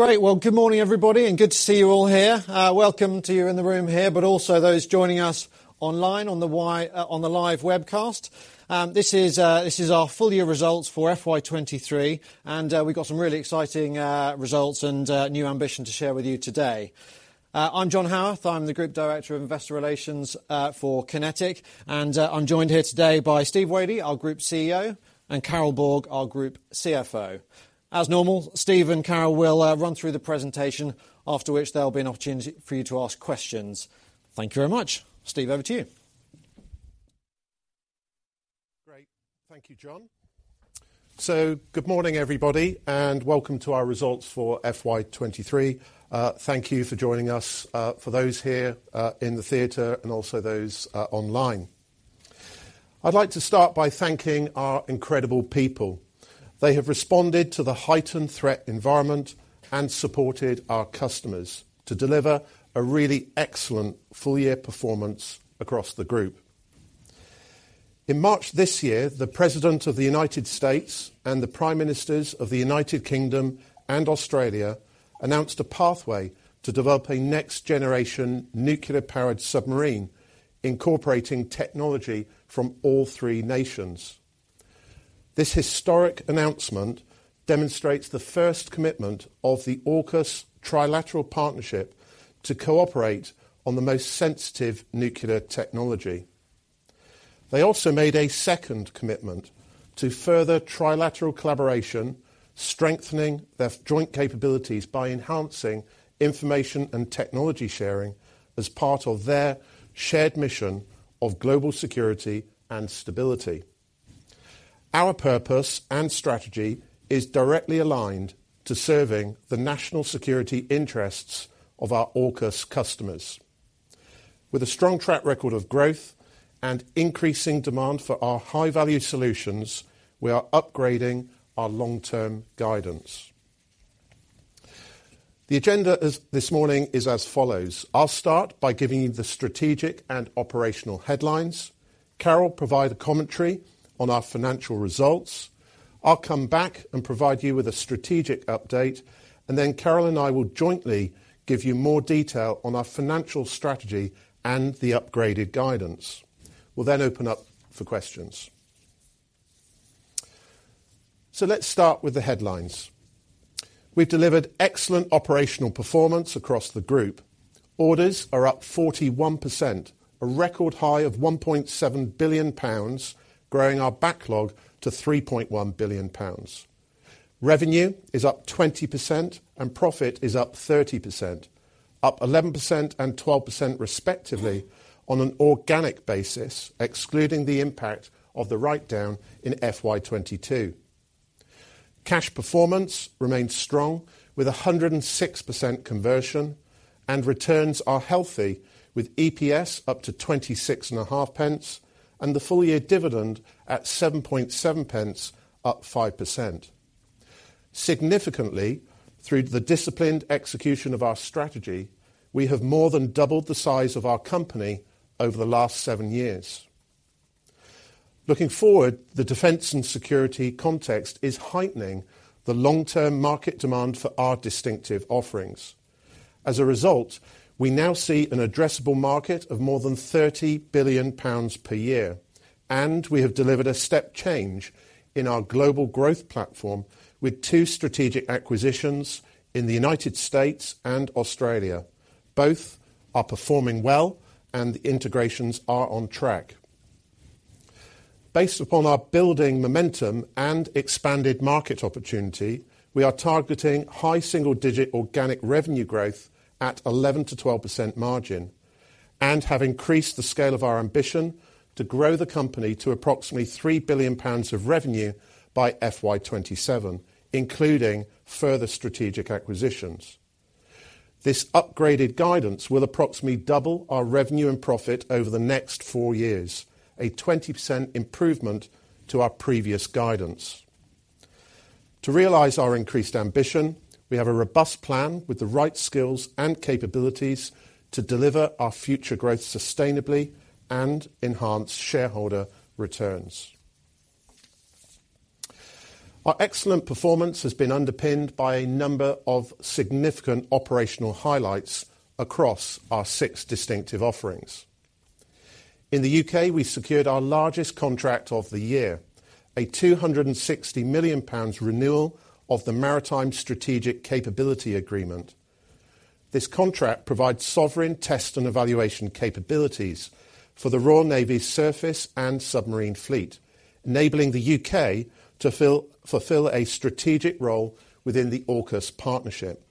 Great! Well, good morning, everybody, good to see you all here. Welcome to you in the room here, also those joining us online on the live webcast. This is our full year results for FY 2023, we've got some really exciting results and new ambition to share with you today. I'm John Haworth. I'm the Group Director of Investor Relations for QinetiQ, I'm joined here today by Steve Wadey, our Group CEO, and Carol Borg, our Group CFO. As normal, Steve and Carol will run through the presentation, after which there'll be an opportunity for you to ask questions. Thank you very much. Steve, over to you. Great. Thank you, John. Good morning, everybody, and welcome to our results for FY 2023. Thank you for joining us, for those here, in the theater and also those online. I'd like to start by thanking our incredible people. They have responded to the heightened threat environment and supported our customers to deliver a really excellent full-year performance across the group. In March this year, the President of the United States and the Prime Ministers of the United Kingdom and Australia announced a pathway to develop a next-generation nuclear-powered submarine, incorporating technology from all three nations. This historic announcement demonstrates the first commitment of the AUKUS trilateral partnership to cooperate on the most sensitive nuclear technology. They also made a second commitment to further trilateral collaboration, strengthening their joint capabilities by enhancing information and technology sharing as part of their shared mission of global security and stability. Our purpose and strategy is directly aligned to serving the national security interests of our AUKUS customers. With a strong track record of growth and increasing demand for our high-value solutions, we are upgrading our long-term guidance. The agenda as this morning is as follows: I'll start by giving you the strategic and operational headlines, Carol provide a commentary on our financial results. I'll come back and provide you with a strategic update, and then Carol and I will jointly give you more detail on our financial strategy and the upgraded guidance. We'll then open up for questions. Let's start with the headlines. We've delivered excellent operational performance across the group. Orders are up 41%, a record high of 1.7 billion pounds, growing our backlog to 3.1 billion pounds. Revenue is up 20%, profit is up 30%, up 11% and 12% respectively on an organic basis, excluding the impact of the write-down in FY 2022. Cash performance remains strong, with 106% conversion, returns are healthy, with EPS up to 26.5 pence, the full-year dividend at 7.7 pence, up 5%. Significantly, through the disciplined execution of our strategy, we have more than doubled the size of our company over the last seven years. Looking forward, the defense and security context is heightening the long-term market demand for our distinctive offerings. As a result, we now see an addressable market of more than 30 billion pounds per year. We have delivered a step change in our global growth platform with two strategic acquisitions in the United States and Australia. Both are performing well. The integrations are on track. Based upon our building momentum and expanded market opportunity, we are targeting high single-digit organic revenue growth at 11%-12% margin and have increased the scale of our ambition to grow the company to approximately 3 billion pounds of revenue by FY 2027, including further strategic acquisitions. This upgraded guidance will approximately double our revenue and profit over the next four years, a 20% improvement to our previous guidance. To realize our increased ambition, we have a robust plan with the right skills and capabilities to deliver our future growth sustainably and enhance shareholder returns. Our excellent performance has been underpinned by a number of significant operational highlights across our six distinctive offerings. In the U.K., we secured our largest contract of the year, a 260 million pounds renewal of the Maritime Strategic Capability Agreement. This contract provides sovereign test and evaluation capabilities for the Royal Navy's surface and submarine fleet, enabling the U.K. to fulfill a strategic role within the AUKUS partnership.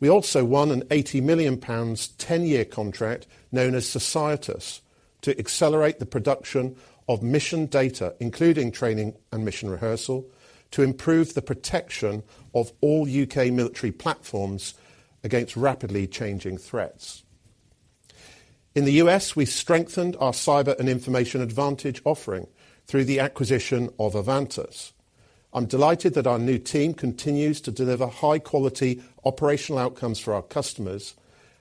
We also won an 80 million pounds, 10-year contract, known as SOCIETAS, to accelerate the production of mission data, including training and mission rehearsal, to improve the protection of all U.K. military platforms against rapidly changing threats. In the U.S., we strengthened our cyber and information advantage offering through the acquisition of Avantus. I'm delighted that our new team continues to deliver high-quality operational outcomes for our customers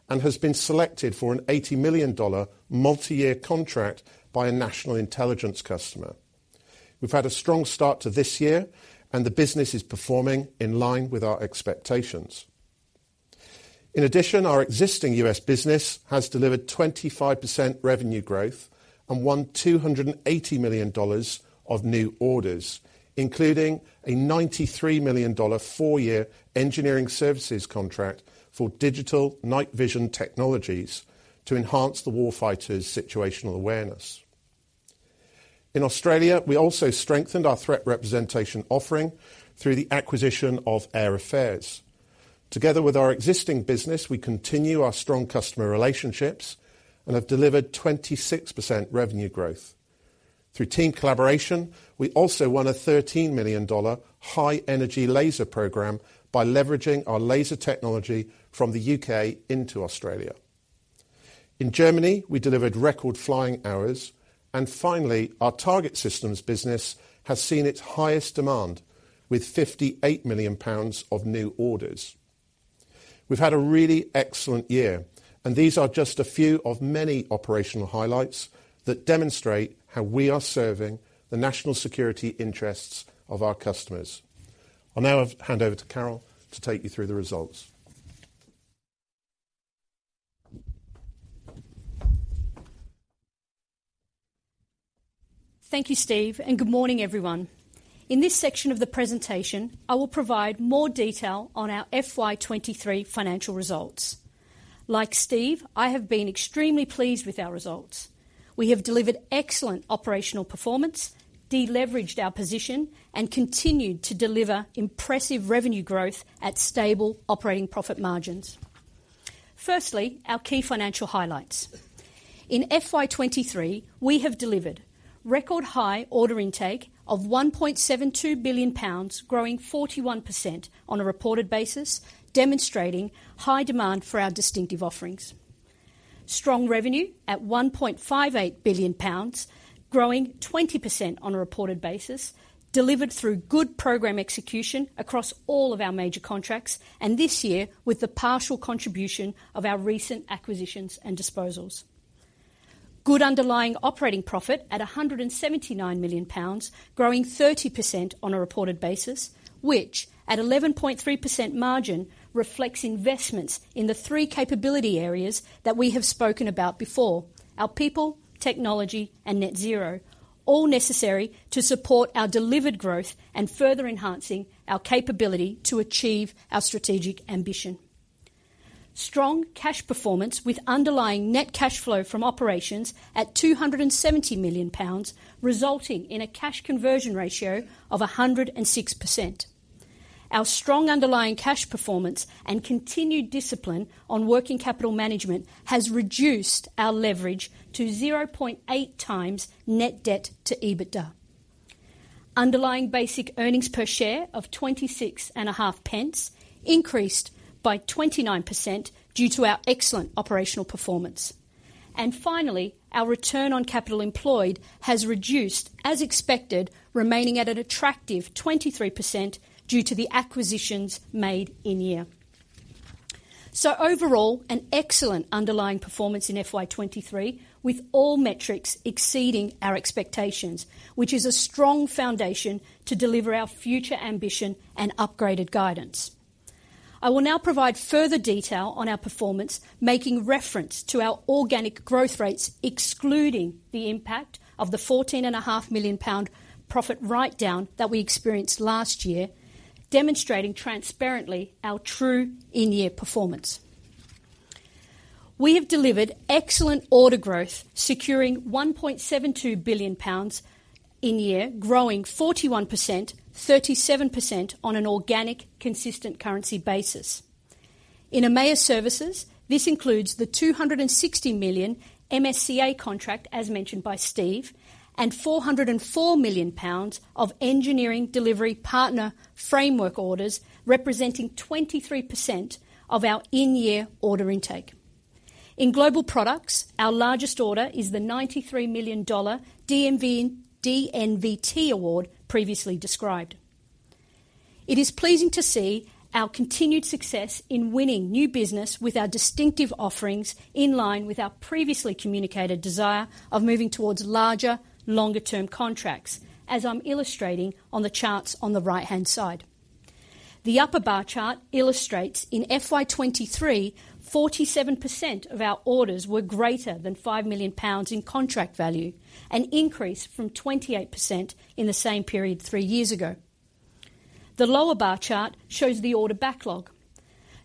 and has been selected for an $80 million multi-year contract by a national intelligence customer. The business is performing in line with our expectations. In addition, our existing U.S. business has delivered 25% revenue growth and won $280 million of new orders, including a $93 million four-year engineering services contract for digital night vision technologies to enhance the warfighter's situational awareness. In Australia, we also strengthened our threat representation offering through the acquisition of Air Affairs. Together with our existing business, we continue our strong customer relationships and have delivered 26% revenue growth. Through team collaboration, we also won an 13 million dollar high-energy laser program by leveraging our laser technology from the U.K. into Australia. In Germany, we delivered record flying hours. Finally, our target systems business has seen its highest demand with 58 million pounds of new orders. We've had a really excellent year, and these are just a few of many operational highlights that demonstrate how we are serving the national security interests of our customers. I'll now hand over to Carol to take you through the results. Thank you, Steve, and good morning, everyone. In this section of the presentation, I will provide more detail on our FY 2023 financial results. Like Steve, I have been extremely pleased with our results. We have delivered excellent operational performance, deleveraged our position, and continued to deliver impressive revenue growth at stable operating profit margins. Firstly, our key financial highlights. In FY 2023, we have delivered record-high order intake of 1.72 billion pounds, growing 41% on a reported basis, demonstrating high demand for our distinctive offerings. Strong revenue at 1.58 billion pounds, growing 20% on a reported basis, delivered through good program execution across all of our major contracts, and this year, with the partial contribution of our recent acquisitions and disposals. Good underlying operating profit at 179 million pounds, growing 30% on a reported basis, which at 11.3% margin, reflects investments in the three capability areas that we have spoken about before: our people, technology, and Net Zero. All necessary to support our delivered growth and further enhancing our capability to achieve our strategic ambition. Strong cash performance with underlying net cash flow from operations at 270 million pounds, resulting in a cash conversion ratio of 106%. Our strong underlying cash performance and continued discipline on working capital management has reduced our leverage to 0.8x net debt to EBITDA. Underlying basic earnings per share of 26.5 pence increased by 29% due to our excellent operational performance. Finally, our Return on Capital Employed has reduced, as expected, remaining at an attractive 23% due to the acquisitions made in year. Overall, an excellent underlying performance in FY23, with all metrics exceeding our expectations, which is a strong foundation to deliver our future ambition and upgraded guidance. I will now provide further detail on our performance, making reference to our organic growth rates, excluding the impact of the 14 and a half million GBP profit write-down that we experienced last year, demonstrating transparently our true in-year performance. We have delivered excellent order growth, securing 1.72 billion pounds in year, growing 41%, 37% on an organic, consistent currency basis. In EMEA Services, this includes the 260 million MSCA contract, as mentioned by Steve, and 404 million pounds of Engineering Delivery Partner framework orders, representing 23% of our in-year order intake. In Global Products, our largest order is the $93 million DNVT award previously described. It is pleasing to see our continued success in winning new business with our distinctive offerings, in line with our previously communicated desire of moving towards larger, longer-term contracts, as I'm illustrating on the charts on the right-hand side. The upper bar chart illustrates in FY 2023, 47% of our orders were greater than 5 million pounds in contract value, an increase from 28% in the same period three years ago. The lower bar chart shows the order backlog.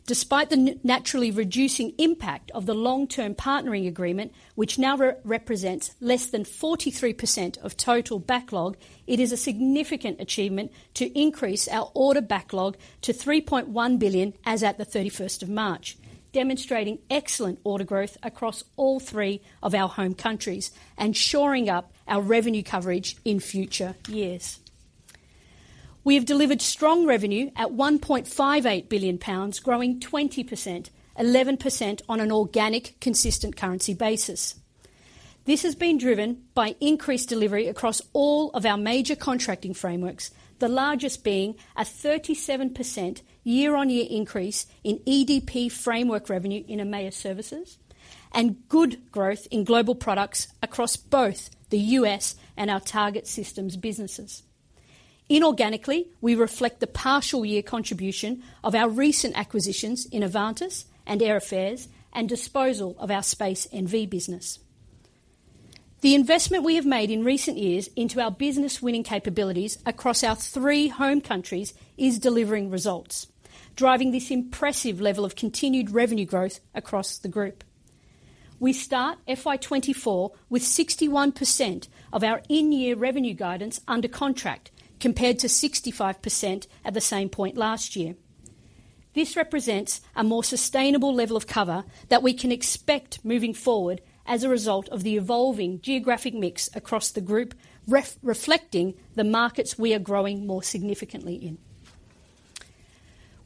Despite the naturally reducing impact of the Long Term Partnering Agreement, which now represents less than 43% of total backlog, it is a significant achievement to increase our order backlog to 3.1 billion as at the 31st of March, demonstrating excellent order growth across all three of our home countries and shoring up our revenue coverage in future years. We have delivered strong revenue at 1.58 billion pounds, growing 20%, 11% on an organic, consistent currency basis. This has been driven by increased delivery across all of our major contracting frameworks, the largest being a 37% year-on-year increase in EDP framework revenue in EMEA Services and good growth in Global Products across both the U.S. and our target systems businesses. Inorganically, we reflect the partial year contribution of our recent acquisitions in Avantus and Air Affairs and disposal of our Space NV business. The investment we have made in recent years into our business-winning capabilities across our three home countries is delivering results, driving this impressive level of continued revenue growth across the group. We start FY 2024 with 61% of our in-year revenue guidance under contract, compared to 65% at the same point last year. This represents a more sustainable level of cover that we can expect moving forward as a result of the evolving geographic mix across the group, reflecting the markets we are growing more significantly in.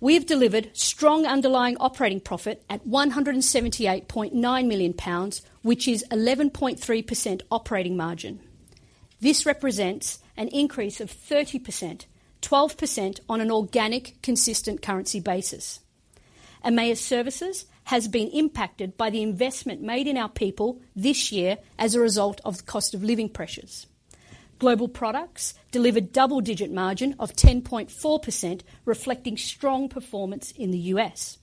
We've delivered strong underlying operating profit at 178.9 million pounds, which is 11.3% operating margin. This represents an increase of 30%, 12% on an organic, consistent currency basis. EMEA Services has been impacted by the investment made in our people this year as a result of cost of living pressures. Global Products delivered double-digit margin of 10.4%, reflecting strong performance in the U.S.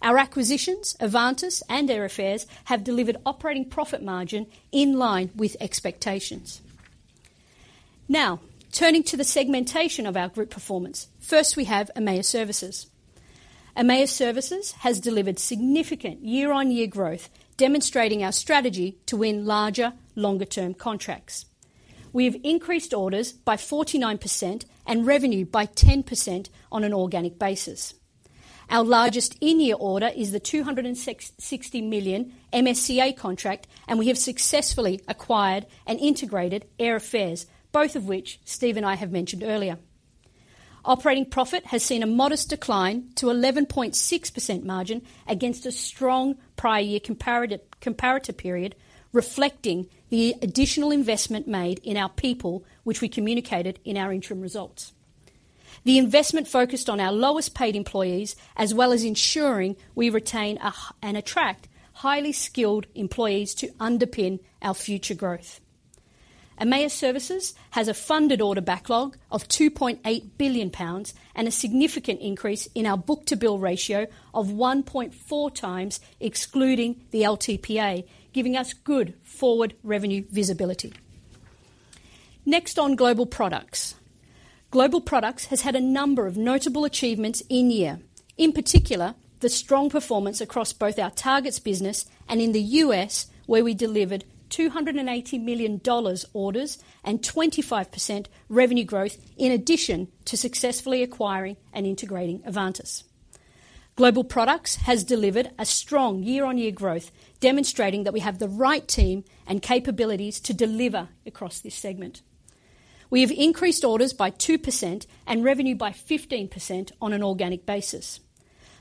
Our acquisitions, Avantus and Air Affairs, have delivered operating profit margin in line with expectations. Turning to the segmentation of our group performance. We have EMEA Services. EMEA Services has delivered significant year-on-year growth, demonstrating our strategy to win larger, longer-term contracts. We have increased orders by 49% and revenue by 10% on an organic basis. Our largest in-year order is the 260 million MSCA contract, and we have successfully acquired and integrated Air Affairs, both of which Steve and I have mentioned earlier. Operating profit has seen a modest decline to 11.6% margin against a strong prior year comparator period, reflecting the additional investment made in our people, which we communicated in our interim results. The investment focused on our lowest-paid employees, as well as ensuring we retain and attract highly skilled employees to underpin our future growth. EMEA Services has a funded order backlog of 2.8 billion pounds and a significant increase in our book-to-bill ratio of 1.4x, excluding the LTPA, giving us good forward revenue visibility. On Global Products. Global Products has had a number of notable achievements in year. In particular, the strong performance across both our targets business and in the US, where we delivered $280 million orders and 25% revenue growth, in addition to successfully acquiring and integrating Avantus. Global Products has delivered a strong year-on-year growth, demonstrating that we have the right team and capabilities to deliver across this segment. We have increased orders by 2% and revenue by 15% on an organic basis.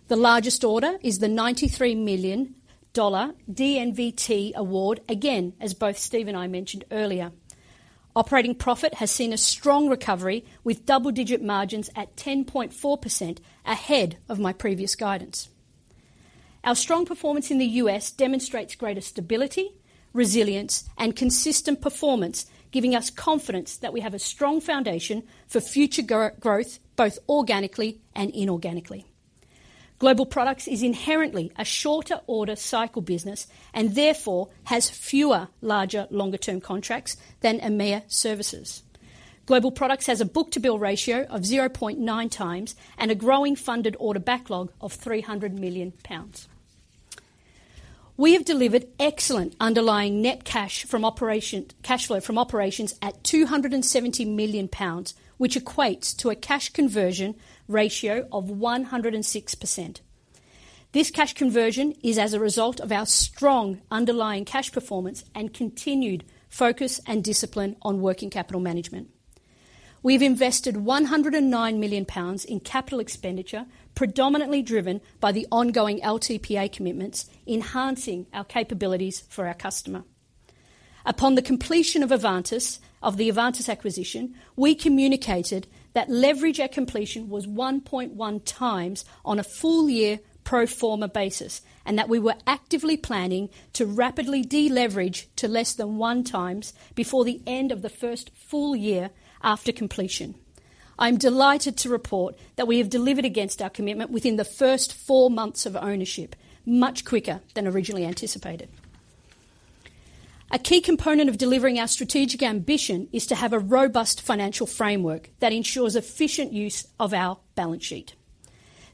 The largest order is the $93 million DNVT award, again, as both Steve and I mentioned earlier. Operating profit has seen a strong recovery, with double-digit margins at 10.4%, ahead of my previous guidance. Our strong performance in the U.S. demonstrates greater stability, resilience, and consistent performance, giving us confidence that we have a strong foundation for future growth, both organically and inorganically. Global Products is inherently a shorter order cycle business and therefore has fewer, larger, longer-term contracts than EMEA Services. Global Products has a book-to-bill ratio of 0.9x and a growing funded order backlog of 300 million pounds. We have delivered excellent underlying net cash flow from operations at 270 million pounds, which equates to a cash conversion ratio of 106%. This cash conversion is as a result of our strong underlying cash performance and continued focus and discipline on working capital management. We've invested 109 million pounds in capital expenditure, predominantly driven by the ongoing LTPA commitments, enhancing our capabilities for our customer. Upon the completion of the Avantus acquisition, we communicated that leverage at completion was 1.1 x on a full-year pro forma basis, and that we were actively planning to rapidly deleverage to less than 1x before the end of the first full year after completion. I'm delighted to report that we have delivered against our commitment within the first four months of ownership, much quicker than originally anticipated. A key component of delivering our strategic ambition is to have a robust financial framework that ensures efficient use of our balance sheet.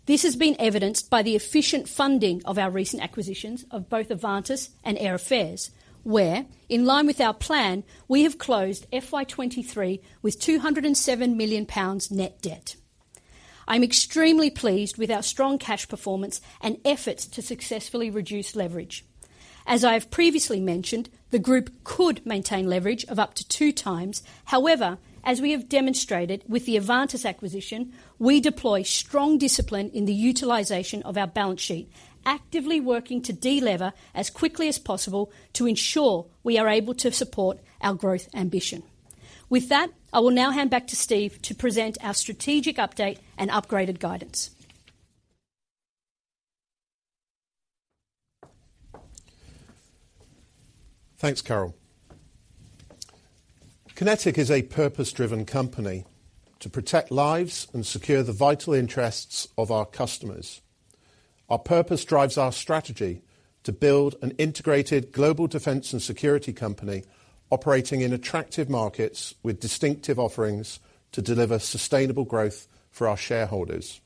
This has been evidenced by the efficient funding of our recent acquisitions of both Avantus and Air Affairs, where, in line with our plan, we have closed FY 2023 with 207 million pounds net debt. I'm extremely pleased with our strong cash performance and efforts to successfully reduce leverage. As I have previously mentioned, the group could maintain leverage of up to two times. As we have demonstrated with the Avantus acquisition, we deploy strong discipline in the utilization of our balance sheet, actively working to delever as quickly as possible to ensure we are able to support our growth ambition. With that, I will now hand back to Steve to present our strategic update and upgraded guidance. Thanks, Carol. QinetiQ is a purpose-driven company to protect lives and secure the vital interests of our customers. Our purpose drives our strategy to build an integrated global defense and security company, operating in attractive markets with distinctive offerings to deliver sustainable growth for our shareholders.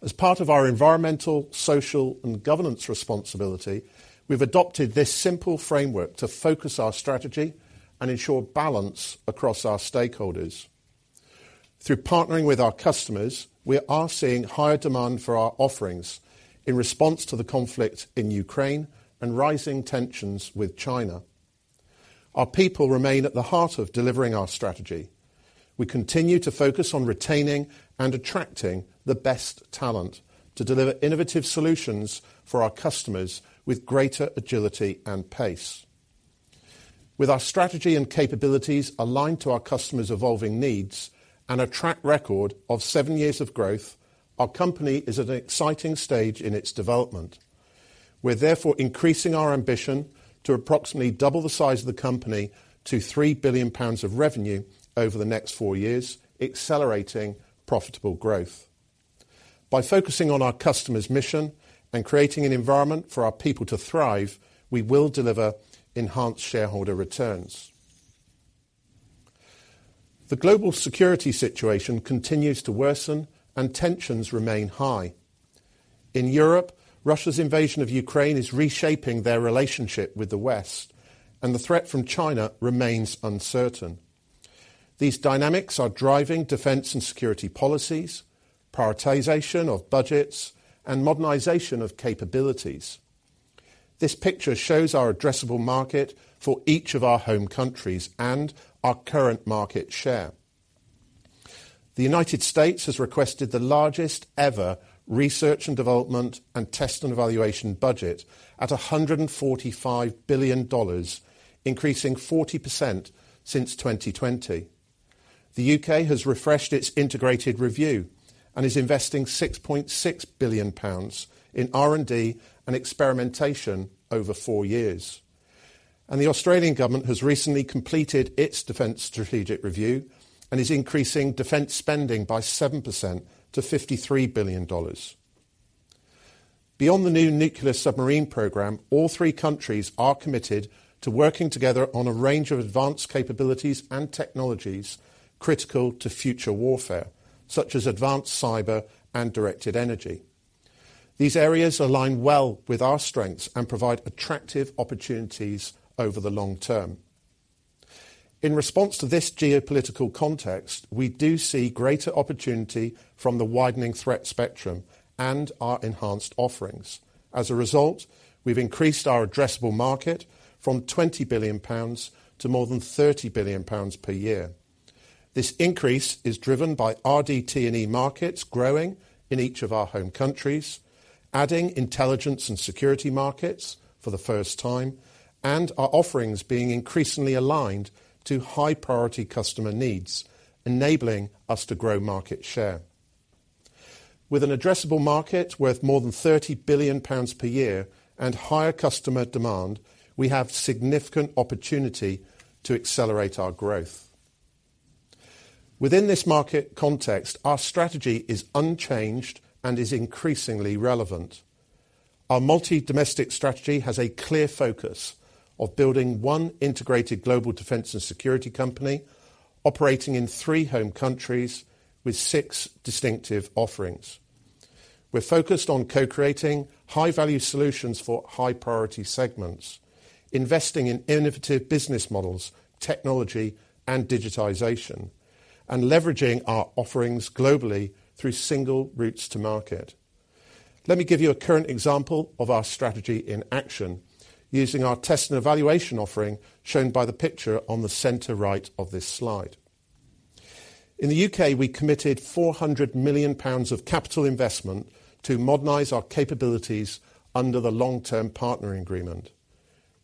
As part of our environmental, social, and ESG responsibility, we've adopted this simple framework to focus our strategy and ensure balance across our stakeholders. Through partnering with our customers, we are seeing higher demand for our offerings in response to the conflict in Ukraine and rising tensions with China. Our people remain at the heart of delivering our strategy. We continue to focus on retaining and attracting the best talent to deliver innovative solutions for our customers with greater agility and pace. With our strategy and capabilities aligned to our customers' evolving needs and a track record of seven years of growth, our company is at an exciting stage in its development. We're therefore increasing our ambition to approximately double the size of the company to 3 billion pounds of revenue over the next four years, accelerating profitable growth. By focusing on our customers' mission and creating an environment for our people to thrive, we will deliver enhanced shareholder returns. The global security situation continues to worsen and tensions remain high. In Europe, Russia's invasion of Ukraine is reshaping their relationship with the West, and the threat from China remains uncertain. These dynamics are driving defense and security policies, prioritization of budgets, and modernization of capabilities. This picture shows our addressable market for each of our home countries and our current market share. The United States has requested the largest ever research and development and test and evaluation budget at $145 billion, increasing 40% since 2020. The U.K. has refreshed its Integrated Review and is investing 6.6 billion pounds in R&D and experimentation over four years. The Australian government has recently completed its Defence Strategic Review and is increasing defense spending by 7% to 53 billion dollars. Beyond the new nuclear submarine program, all three countries are committed to working together on a range of advanced capabilities and technologies critical to future warfare, such as advanced cyber and directed energy. These areas align well with our strengths and provide attractive opportunities over the long term. In response to this geopolitical context, we do see greater opportunity from the widening threat spectrum and our enhanced offerings. As a result, we've increased our addressable market from 20 billion pounds to more than 30 billion pounds per year. This increase is driven by RDT&E markets growing in each of our home countries, adding intelligence and security markets for the first time, and our offerings being increasingly aligned to high-priority customer needs, enabling us to grow market share. With an addressable market worth more than 30 billion pounds per year and higher customer demand, we have significant opportunity to accelerate our growth. Within this market context, our strategy is unchanged and is increasingly relevant. Our multi-domestic strategy has a clear focus of building one integrated global defense and security company, operating in three home countries with six distinctive offerings. We're focused on co-creating high-value solutions for high-priority segments, investing in innovative business models, technology, and digitization, and leveraging our offerings globally through single routes to market. Let me give you a current example of our strategy in action, using our test and evaluation offering, shown by the picture on the center right of this slide. In the UK, we committed 400 million pounds of capital investment to modernize our capabilities under the Long Term Partnering Agreement.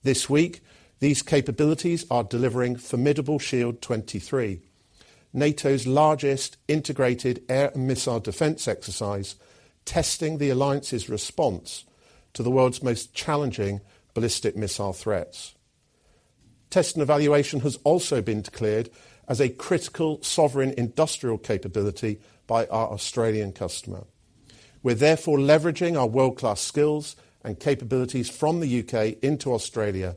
This week, these capabilities are delivering Formidable Shield 2023, NATO's largest integrated air and missile defense exercise, testing the alliance's response to the world's most challenging ballistic missile threats. Test and evaluation has also been declared as a critical sovereign industrial capability by our Australian customer. We're therefore leveraging our world-class skills and capabilities from the UK into Australia,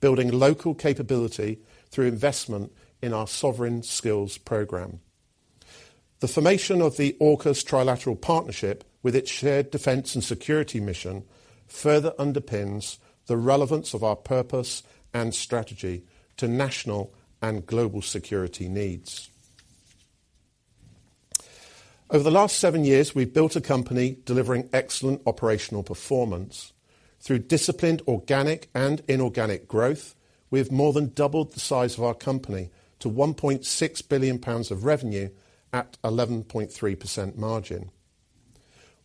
building local capability through investment in our Sovereign Skills program. The formation of the AUKUS trilateral partnership, with its shared defense and security mission, further underpins the relevance of our purpose and strategy to national and global security needs. Over the last seven years, we've built a company delivering excellent operational performance. Through disciplined, organic, and inorganic growth, we have more than doubled the size of our company to 1.6 billion pounds of revenue at 11.3% margin.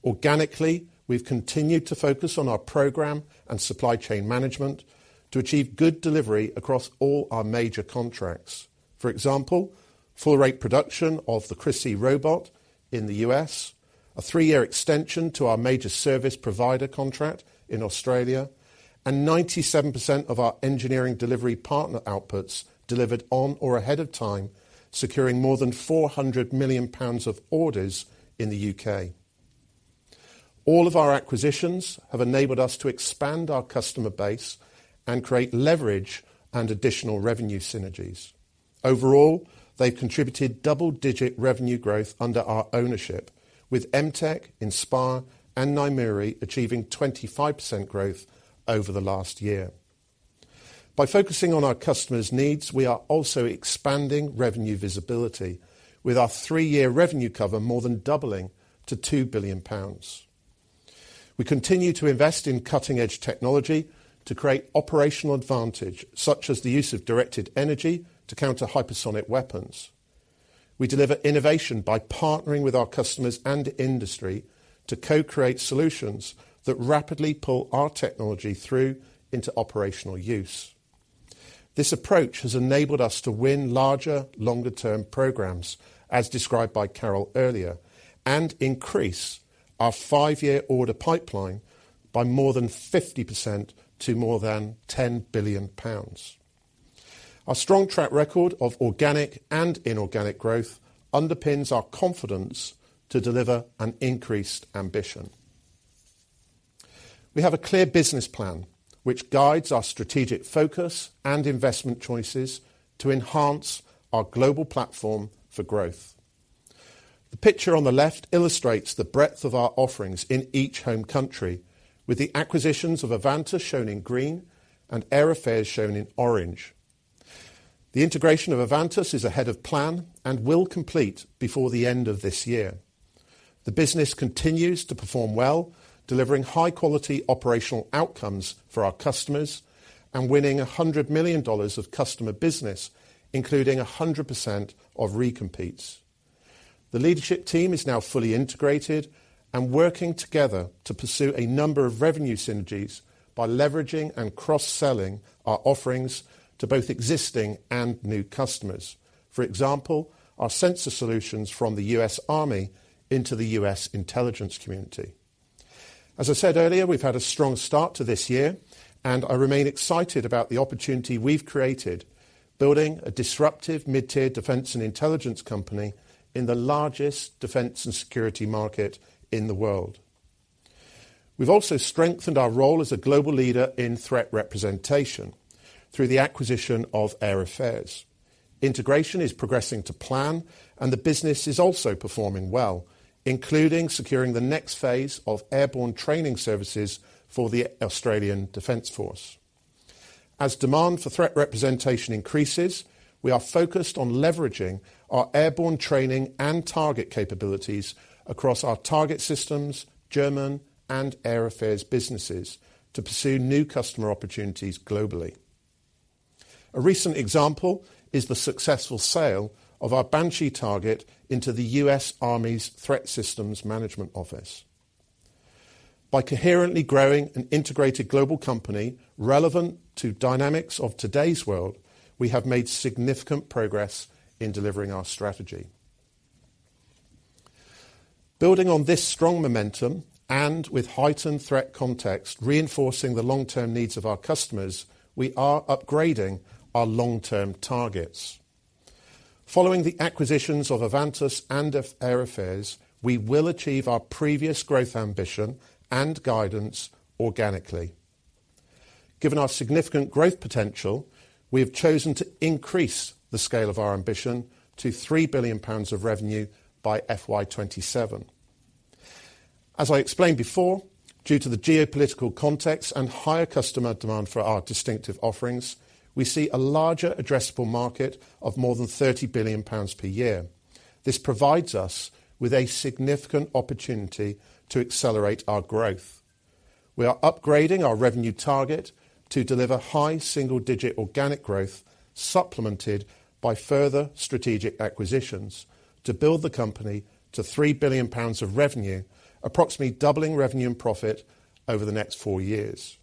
Organically, we've continued to focus on our program and supply chain management to achieve good delivery across all our major contracts. For example, full rate production of the CRS-I robot in the U.S., a three-year extension to our major service provider contract in Australia, and 97% of our Engineering Delivery Partner outputs delivered on or ahead of time, securing more than 400 million pounds of orders in the U.K. All of our acquisitions have enabled us to expand our customer base and create leverage and additional revenue synergies. Overall, they've contributed double-digit revenue growth under our ownership, with MTEQ, In-Space, and Naimuri achieving 25% growth over the last year. By focusing on our customers' needs, we are also expanding revenue visibility, with our three-year revenue cover more than doubling to 2 billion pounds. We continue to invest in cutting-edge technology to create operational advantage, such as the use of directed energy to counter hypersonic weapons. We deliver innovation by partnering with our customers and industry to co-create solutions that rapidly pull our technology through into operational use. This approach has enabled us to win larger, longer-term programs, as described by Carol earlier, and increase our five-year order pipeline by more than 50% to more than 10 billion pounds. Our strong track record of organic and inorganic growth underpins our confidence to deliver an increased ambition. We have a clear business plan, which guides our strategic focus and investment choices to enhance our global platform for growth. The picture on the left illustrates the breadth of our offerings in each home country, with the acquisitions of Avantus shown in green and Air Affairs shown in orange. The integration of Avantus is ahead of plan and will complete before the end of this year. The business continues to perform well, delivering high-quality operational outcomes for our customers and winning $100 million of customer business, including 100% of recompetes. The leadership team is now fully integrated and working together to pursue a number of revenue synergies by leveraging and cross-selling our offerings to both existing and new customers. For example, our sensor solutions from the U.S. Army into the U.S. intelligence community. As I said earlier, we've had a strong start to this year, and I remain excited about the opportunity we've created, building a disruptive mid-tier defense and intelligence company in the largest defense and security market in the world. We've also strengthened our role as a global leader in threat representation through the acquisition of Air Affairs. Integration is progressing to plan, and the business is also performing well, including securing the next phase of airborne training services for the Australian Defense Force. As demand for threat representation increases, we are focused on leveraging our airborne training and target capabilities across our target systems, German and Air Affairs businesses, to pursue new customer opportunities globally. A recent example is the successful sale of our Banshee target into the U.S. Army's Threat Systems Management Office. By coherently growing an integrated global company relevant to dynamics of today's world, we have made significant progress in delivering our strategy. Building on this strong momentum, with heightened threat context reinforcing the long-term needs of our customers, we are upgrading our long-term targets. Following the acquisitions of Avantus and of Air Affairs, we will achieve our previous growth, ambition, and guidance organically. Given our significant growth potential, we have chosen to increase the scale of our ambition to 3 billion pounds of revenue by FY27. As I explained before, due to the geopolitical context and higher customer demand for our distinctive offerings, we see a larger addressable market of more than 30 billion pounds per year. This provides us with a significant opportunity to accelerate our growth. We are upgrading our revenue target to deliver high single-digit organic growth, supplemented by further strategic acquisitions to build the company to 3 billion pounds of revenue, approximately doubling revenue and profit over the next 4 years.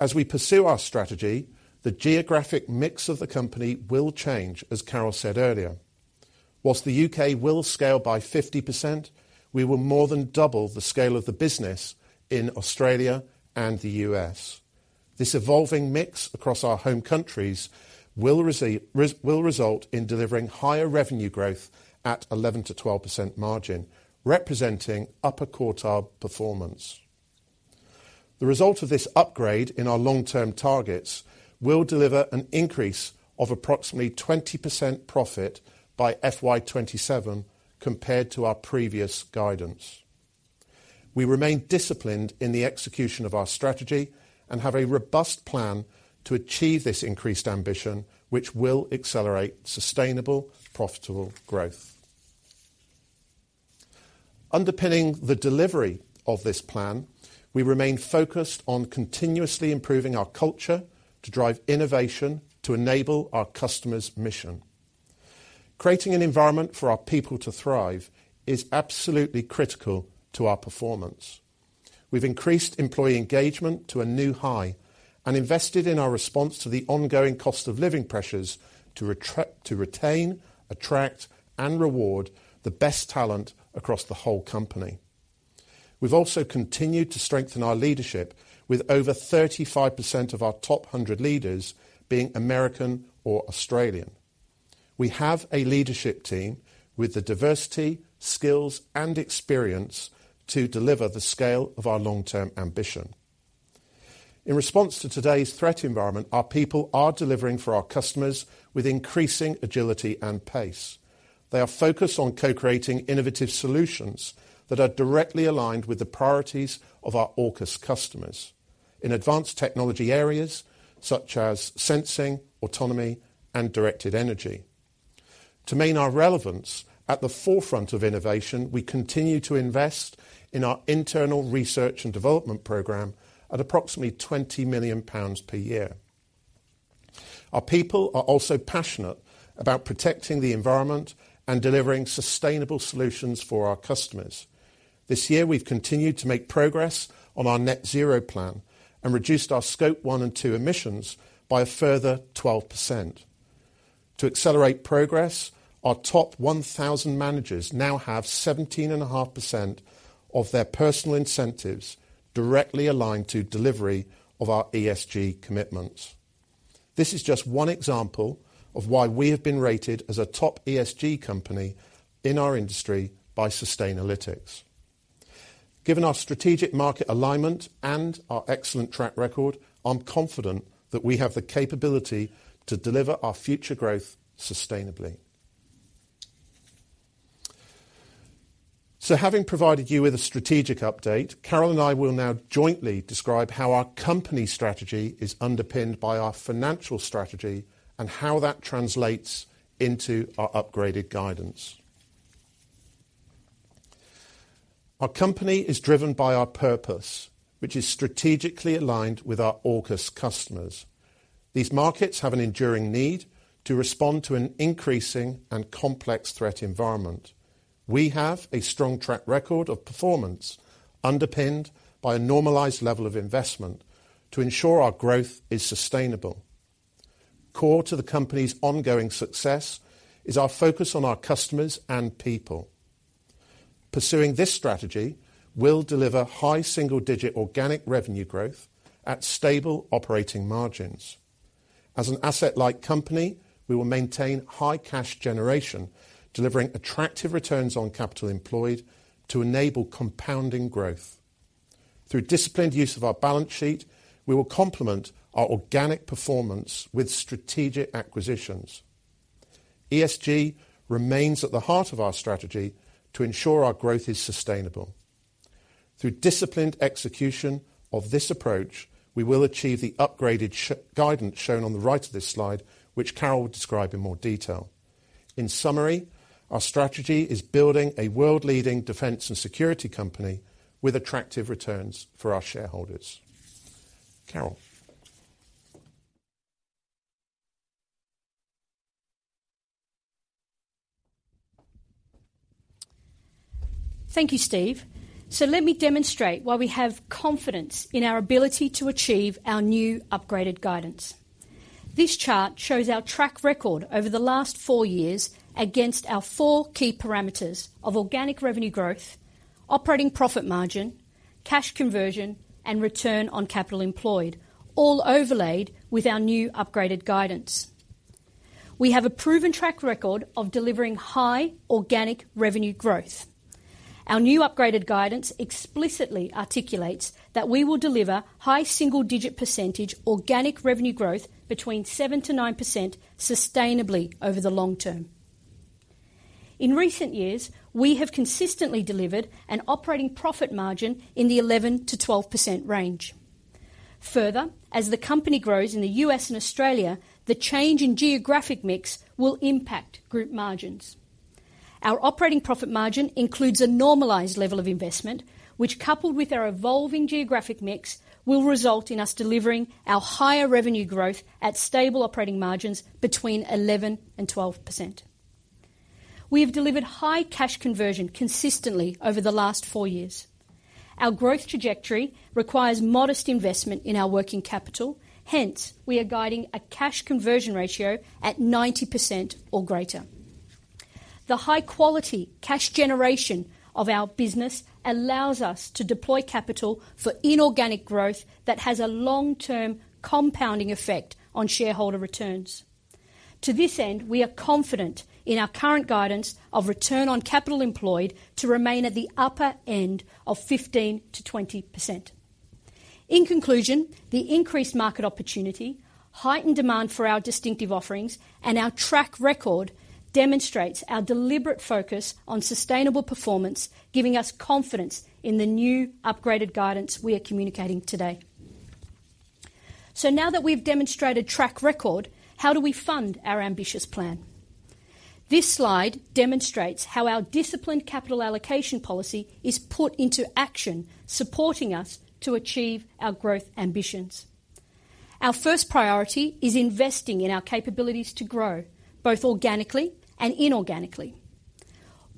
As we pursue our strategy, the geographic mix of the company will change, as Carol said earlier. Whilst the UK will scale by 50%, we will more than double the scale of the business in Australia and the US. This evolving mix across our home countries will result in delivering higher revenue growth at 11%-12% margin, representing upper quartile performance. The result of this upgrade in our long-term targets will deliver an increase of approximately 20% profit by FY 2027 compared to our previous guidance. We remain disciplined in the execution of our strategy and have a robust plan to achieve this increased ambition, which will accelerate sustainable, profitable growth. Underpinning the delivery of this plan, we remain focused on continuously improving our culture to drive innovation to enable our customers' mission. Creating an environment for our people to thrive is absolutely critical to our performance. We've increased employee engagement to a new high and invested in our response to the ongoing cost of living pressures to retain, attract, and reward the best talent across the whole company. We've also continued to strengthen our leadership, with over 35% of our top 100 leaders being American or Australian. We have a leadership team with the diversity, skills, and experience to deliver the scale of our long-term ambition. In response to today's threat environment, our people are delivering for our customers with increasing agility and pace. They are focused on co-creating innovative solutions that are directly aligned with the priorities of our AUKUS customers in advanced technology areas such as sensing, autonomy, and directed energy. To main our relevance at the forefront of innovation, we continue to invest in our internal research and development program at approximately 20 million pounds per year. Our people are also passionate about protecting the environment and delivering sustainable solutions for our customers. This year, we've continued to make progress on our Net Zero plan and reduced our Scope 1 and 2 emissions by a further 12%. To accelerate progress, our top 1,000 managers now have 17.5% of their personal incentives directly aligned to delivery of our ESG commitments. This is just one example of why we have been rated as a top ESG company in our industry by Sustainalytics. Given our strategic market alignment and our excellent track record, I'm confident that we have the capability to deliver our future growth sustainably. Having provided you with a strategic update, Carol and I will now jointly describe how our company strategy is underpinned by our financial strategy and how that translates into our upgraded guidance. Our company is driven by our purpose, which is strategically aligned with our AUKUS customers. These markets have an enduring need to respond to an increasing and complex threat environment. We have a strong track record of performance, underpinned by a normalized level of investment to ensure our growth is sustainable. Core to the company's ongoing success is our focus on our customers and people. Pursuing this strategy will deliver high single-digit organic revenue growth at stable operating margins. As an asset-light company, we will maintain high cash generation, delivering attractive Returns on Capital Employed to enable compounding growth. Through disciplined use of our balance sheet, we will complement our organic performance with strategic acquisitions. ESG remains at the heart of our strategy to ensure our growth is sustainable. Through disciplined execution of this approach, we will achieve the upgraded guidance shown on the right of this slide, which Carol will describe in more detail. Our strategy is building a world-leading defense and security company with attractive returns for our shareholders. Carol? Thank you, Steve. Let me demonstrate why we have confidence in our ability to achieve our new upgraded guidance. This chart shows our track record over the last four years against our four key parameters of organic revenue growth, operating profit margin, cash conversion, and Return on Capital Employed, all overlaid with our new upgraded guidance. We have a proven track record of delivering high organic revenue growth. Our new upgraded guidance explicitly articulates that we will deliver high single-digit % organic revenue growth between 7%-9% sustainably over the long term. In recent years, we have consistently delivered an operating profit margin in the 11%-12% range. Further, as the company grows in the U.S. and Australia, the change in geographic mix will impact group margins. Our operating profit margin includes a normalized level of investment, which, coupled with our evolving geographic mix, will result in us delivering our higher revenue growth at stable operating margins between 11% and 12%. We have delivered high cash conversion consistently over the last four years. Our growth trajectory requires modest investment in our working capital. Hence, we are guiding a cash conversion ratio at 90% or greater. The high-quality cash generation of our business allows us to deploy capital for inorganic growth that has a long-term compounding effect on shareholder returns. To this end, we are confident in our current guidance of Return on Capital Employed to remain at the upper end of 15%-20%. In conclusion, the increased market opportunity, heightened demand for our distinctive offerings, and our track record demonstrates our deliberate focus on sustainable performance, giving us confidence in the new upgraded guidance we are communicating today. Now that we've demonstrated track record, how do we fund our ambitious plan? This slide demonstrates how our disciplined capital allocation policy is put into action, supporting us to achieve our growth ambitions. Our first priority is investing in our capabilities to grow, both organically and inorganically.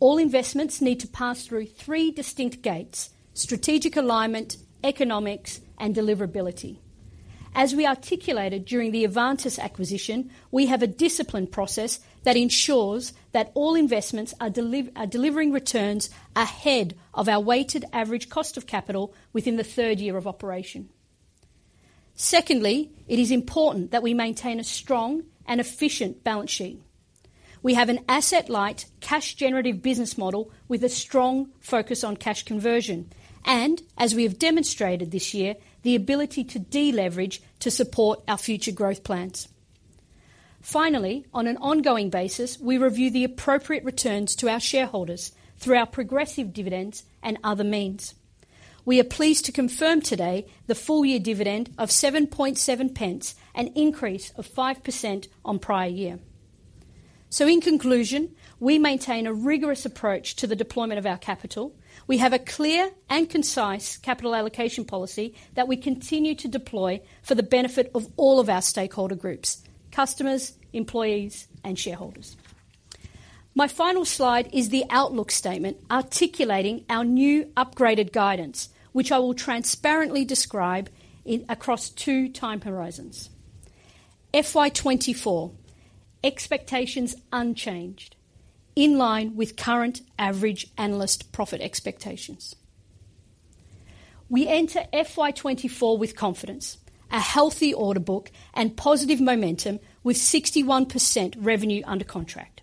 All investments need to pass through three distinct gates: strategic alignment, economics, and deliverability. As we articulated during the Avantus acquisition, we have a disciplined process that ensures that all investments are delivering returns ahead of our Weighted Average Cost of Capital within the third year of operation. Secondly, it is important that we maintain a strong and efficient balance sheet. We have an asset-light, cash-generative business model with a strong focus on cash conversion, and as we have demonstrated this year, the ability to deleverage to support our future growth plans. Finally, on an ongoing basis, we review the appropriate returns to our shareholders through our progressive dividends and other means. We are pleased to confirm today the full year dividend of 7.7 pence, an increase of 5% on prior year. In conclusion, we maintain a rigorous approach to the deployment of our capital. We have a clear and concise capital allocation policy that we continue to deploy for the benefit of all of our stakeholder groups, customers, employees, and shareholders. My final slide is the outlook statement, articulating our new upgraded guidance, which I will transparently describe across two time horizons. FY 2024, expectations unchanged, in line with current average analyst profit expectations. We enter FY 2024 with confidence, a healthy order book, and positive momentum, with 61% revenue under contract.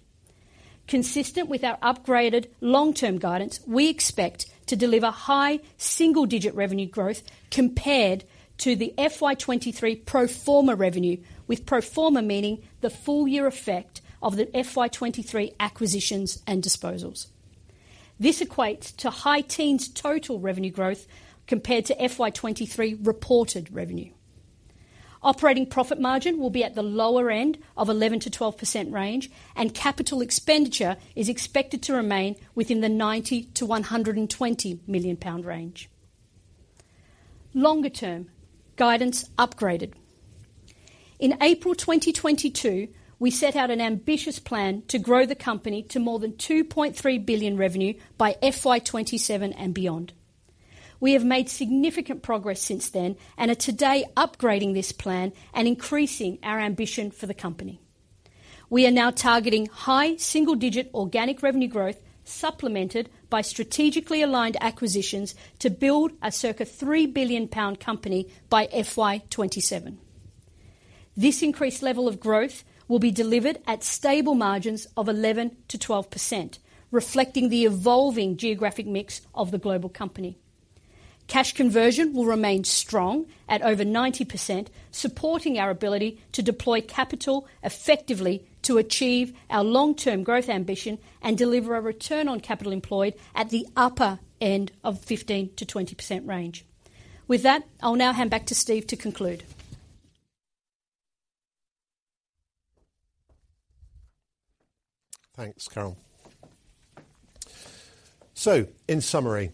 Consistent with our upgraded long-term guidance, we expect to deliver high single-digit revenue growth compared to the FY 2023 pro forma revenue, with pro forma meaning the full year effect of the FY 2023 acquisitions and disposals. This equates to high teens total revenue growth compared to FY 2O23 reported revenue. Operating profit margin will be at the lower end of 11%-12% range, and capital expenditure is expected to remain within the 90 million-120 million pound range. Longer term, guidance upgraded. In April 2022, we set out an ambitious plan to grow the company to more than 2.3 billion revenue by FY 2027 and beyond. We have made significant progress since then and are today upgrading this plan and increasing our ambition for the company. We are now targeting high single-digit organic revenue growth, supplemented by strategically aligned acquisitions to build a circa 3 billion pound company by FY 2027. This increased level of growth will be delivered at stable margins of 11%-12%, reflecting the evolving geographic mix of the global company. Cash conversion will remain strong at over 90%, supporting our ability to deploy capital effectively to achieve our long-term growth ambition and deliver a Return on Capital Employed at the upper end of 15%-20% range. I'll now hand back to Steve to conclude. Thanks, Carol. In summary,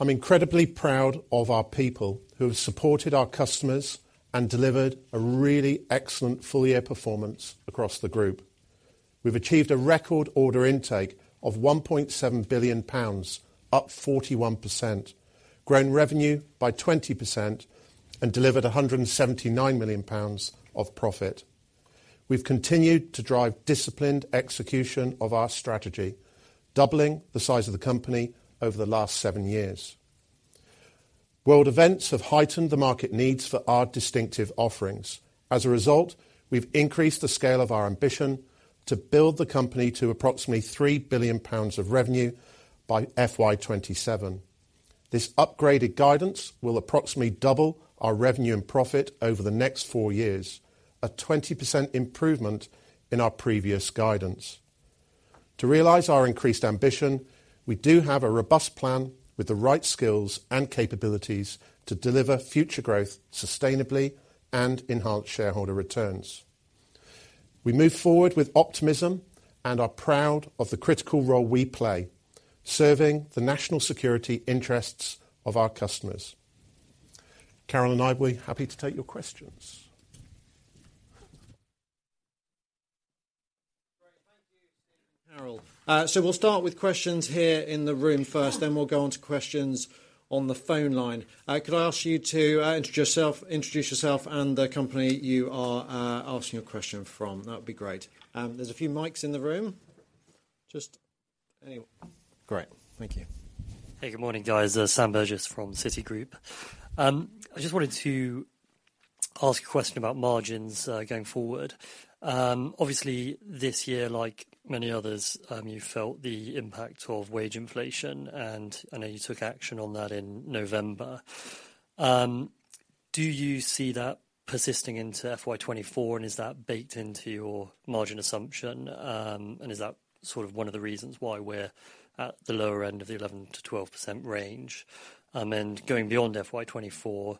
I'm incredibly proud of our people who have supported our customers and delivered a really excellent full year performance across the group. We've achieved a record order intake of 1.7 billion pounds, up 41%, grown revenue by 20% and delivered 179 million pounds of profit. We've continued to drive disciplined execution of our strategy, doubling the size of the company over the last 7 years. World events have heightened the market needs for our distinctive offerings. As a result, we've increased the scale of our ambition to build the company to approximately 3 billion pounds of revenue by FY 2027. This upgraded guidance will approximately double our revenue and profit over the next 4 years, a 20% improvement in our previous guidance. To realize our increased ambition, we do have a robust plan with the right skills and capabilities to deliver future growth sustainably and enhance shareholder returns. We move forward with optimism and are proud of the critical role we play, serving the national security interests of our customers. Carol and I will be happy to take your questions. Great. Thank you, Steve and Carol. We'll start with questions here in the room first, then we'll go on to questions on the phone line. Could I ask you to introduce yourself and the company you are asking your question from? That would be great. There's a few mics in the room. Great, thank you. Hey, good morning, guys. Sam Burgess from Citigroup. I just wanted to ask a question about margins, going forward. Obviously, this year, like many others, you felt the impact of wage inflation, and I know you took action on that in November. Do you see that persisting into FY 2024, and is that baked into your margin assumption? Is that sort of one of the reasons why we're at the lower end of the 11%-12% range? Going beyond FY 2024-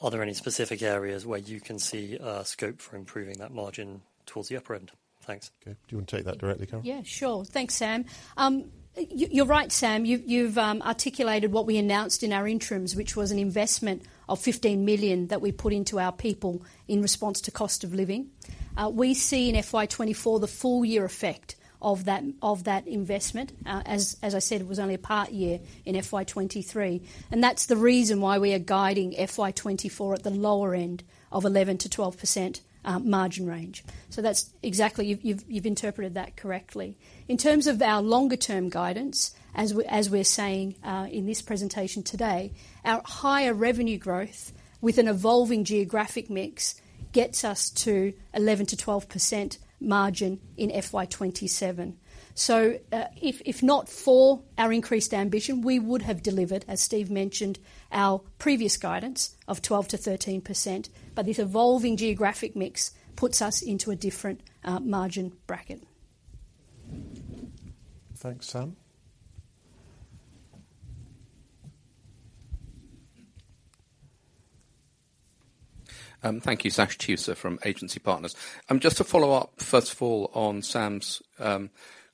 Are there any specific areas where you can see scope for improving that margin towards the upper end? Thanks. Okay. Do you want to take that directly, Carol? Yeah, sure. Thanks, Sam. You're right, Sam, you've articulated what we announced in our interims, which was an investment of 15 million that we put into our people in response to cost of living. We see in FY 2024 the full year effect of that investment. As I said, it was only a part year in FY 2023, that's the reason why we are guiding FY 2024 at the lower end of 11%-12% margin range. That's exactly. You've interpreted that correctly. In terms of our longer term guidance, as we're saying in this presentation today, our higher revenue growth, with an evolving geographic mix, gets us to 11%-12% margin in FY 2O27. If not for our increased ambition, we would have delivered, as Steve mentioned, our previous guidance of 12%-13%, but this evolving geographic mix puts us into a different margin bracket. Thanks, Sam. Thank you. Sash Tusa from Agency Partners. Just to follow up, first of all, on Sam's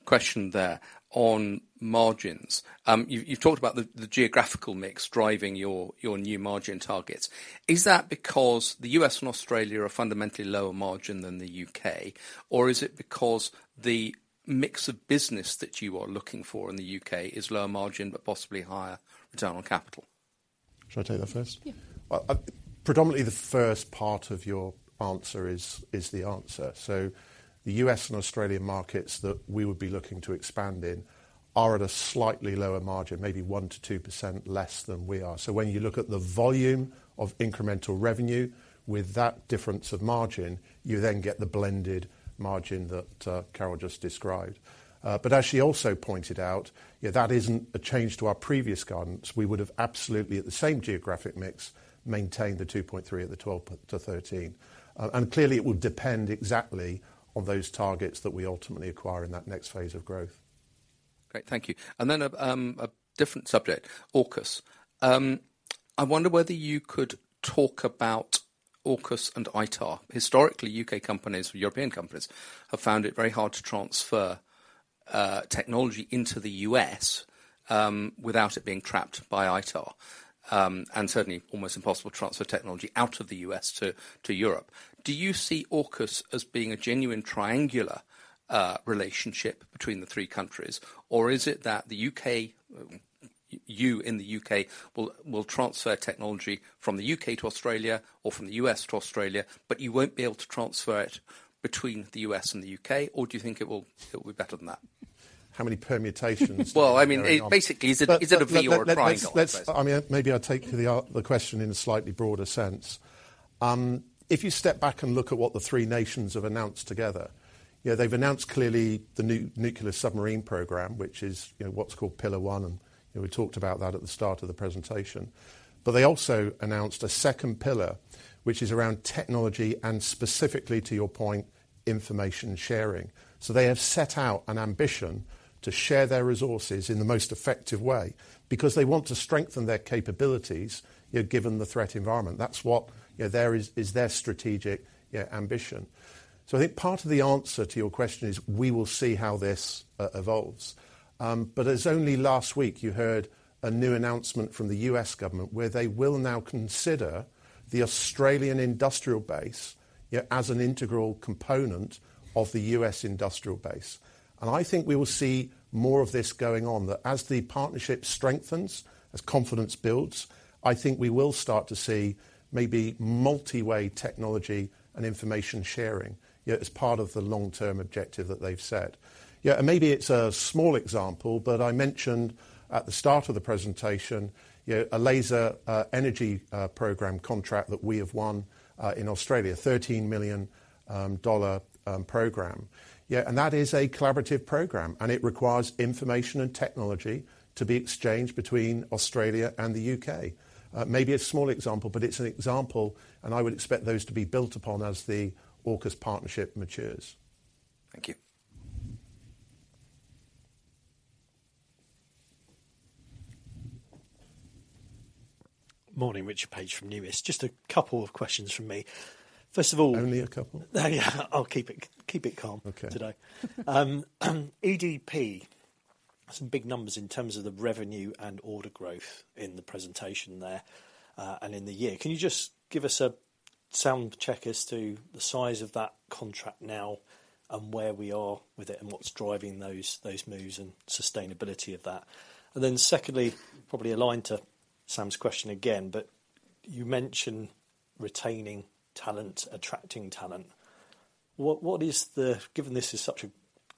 question there on margins. You've talked about the geographical mix driving your new margin targets. Is that because the U.S. and Australia are fundamentally lower margin than the U.K.? Or is it because the mix of business that you are looking for in the U.K. is lower margin, but possibly higher return on capital? Should I take that first? Yeah. Predominantly, the first part of your answer is the answer. The U.S. and Australian markets that we would be looking to expand in are at a slightly lower margin, maybe 1%-2% less than we are. When you look at the volume of incremental revenue with that difference of margin, you then get the blended margin that Carol just described. As she also pointed out, yeah, that isn't a change to our previous guidance. We would have absolutely, at the same geographic mix, maintained the 2.3% at the 12%-13%. Clearly, it would depend exactly on those targets that we ultimately acquire in that next phase of growth. Great, thank you. A different subject, AUKUS. I wonder whether you could talk about AUKUS and ITAR. Historically, U.K. companies or European companies have found it very hard to transfer technology into the U.S. without it being trapped by ITAR, and certainly almost impossible to transfer technology out of the U.S. to Europe. Do you see AUKUS as being a genuine triangular relationship between the three countries? Is it that the U.K., you in the U.K., will transfer technology from the U.K. to Australia or from the U.S. to Australia, but you won't be able to transfer it between the U.S. and the U.K., or do you think it'll be better than that? How many permutations? Well, I mean, it... But, but- Is it a V or a triangle? Let's I mean, maybe I'll take the question in a slightly broader sense. If you step back and look at what the three nations have announced together, you know, they've announced clearly the new nuclear submarine program, which is, you know, what's called Pillar 1, and, you know, we talked about that at the start of the presentation. They also announced a second pillar, which is around technology and specifically, to your point, information sharing. They have set out an ambition to share their resources in the most effective way because they want to strengthen their capabilities, you know, given the threat environment. That's what, you know, there is their strategic ambition. I think part of the answer to your question is, we will see how this evolves. As only last week, you heard a new announcement from the U.S. government, where they will now consider the Australian industrial base as an integral component of the U.S. industrial base. I think we will see more of this going on, that as the partnership strengthens, as confidence builds, I think we will start to see maybe multi-way technology and information sharing, yet as part of the long-term objective that they've set. Maybe it's a small example, but I mentioned at the start of the presentation, you know, a laser energy program contract that we have won in Australia, GBP 13 million program. That is a collaborative program, and it requires information and technology to be exchanged between Australia and the U.K. Maybe a small example, but it's an example, and I would expect those to be built upon as the AUKUS partnership matures. Thank you. Morning, Richard Paige from Numis. Just a couple of questions from me. Only a couple? Yeah, I'll keep it calm... Okay... today. EDP, some big numbers in terms of the revenue and order growth in the presentation there, and in the year. Can you just give us a sound check as to the size of that contract now and where we are with it, and what's driving those moves and sustainability of that? Secondly, probably aligned to Sam's question again, you mention retaining talent, attracting talent. What is the Given this is such a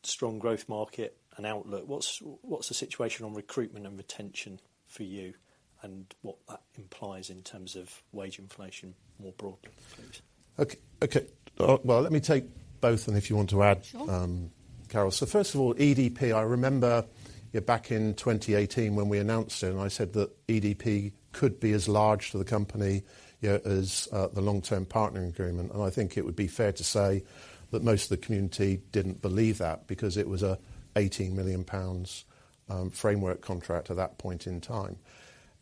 strong growth market and outlook, what's the situation on recruitment and retention for you, and what that implies in terms of wage inflation more broadly, please? Okay, okay. Well, let me take both, and if you want to add- Sure. Carol. First of all, EDP, I remember, yeah, back in 2018 when we announced it, I said that EDP could be as large for the company, you know, as the Long Term Partnering Agreement, I think it would be fair to say that most of the community didn't believe that because it was a 80 million pounds framework contract at that point in time.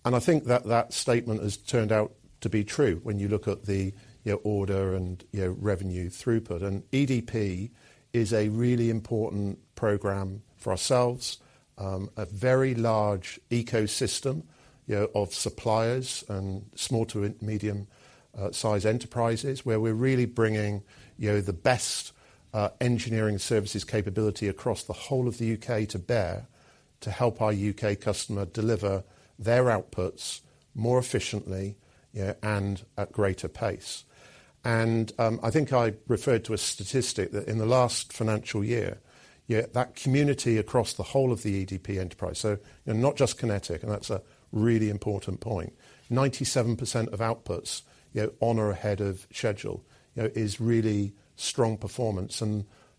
I think that that statement has turned out to be true when you look at the, you know, order and, you know, revenue throughput. EDP is a really important program for ourselves, a very large ecosystem, you know, of suppliers and small to medium size enterprises, where we're really bringing, you know, the best engineering services capability across the whole of the UK to bear, to help our UK customer deliver their outputs more efficiently and at greater pace. I think I referred to a statistic that in the last financial year, that community across the whole of the EDP enterprise, so and not just QinetiQ, and that's a really important point. 97% of outputs, you know, on or ahead of schedule, you know, is really strong performance.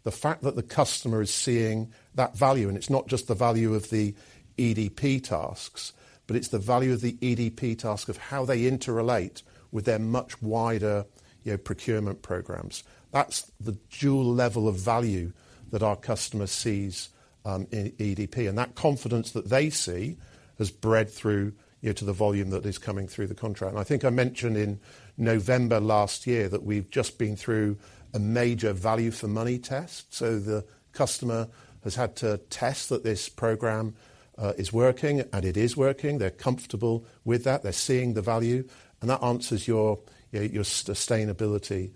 The fact that the customer is seeing that value, and it's not just the value of the EDP tasks, but it's the value of the EDP task, of how they interrelate with their much wider, you know, procurement programs. That's the dual level of value that our customer sees in EDP. That confidence that they see has bred through, you know, to the volume that is coming through the contract. I think I mentioned in November last year that we've just been through a major value for money test, so the customer has had to test that this program is working, and it is working. They're comfortable with that. They're seeing the value, and that answers your sustainability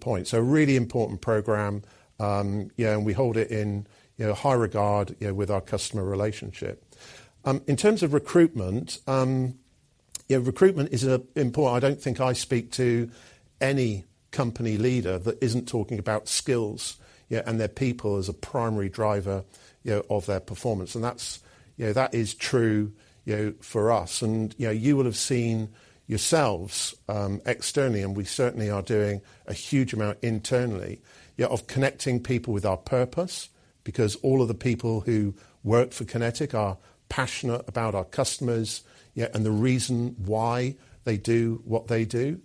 point. A really important program, yeah, and we hold it in, you know, high regard, you know, with our customer relationship. In terms of recruitment is important. I don't think I speak to any company leader that isn't talking about skills and their people as a primary driver of their performance. That is true for us. You will have seen yourselves externally, and we certainly are doing a huge amount internally, of connecting people with our purpose, because all of the people who work for QinetiQ are passionate about our customers and the reason why they do what they do.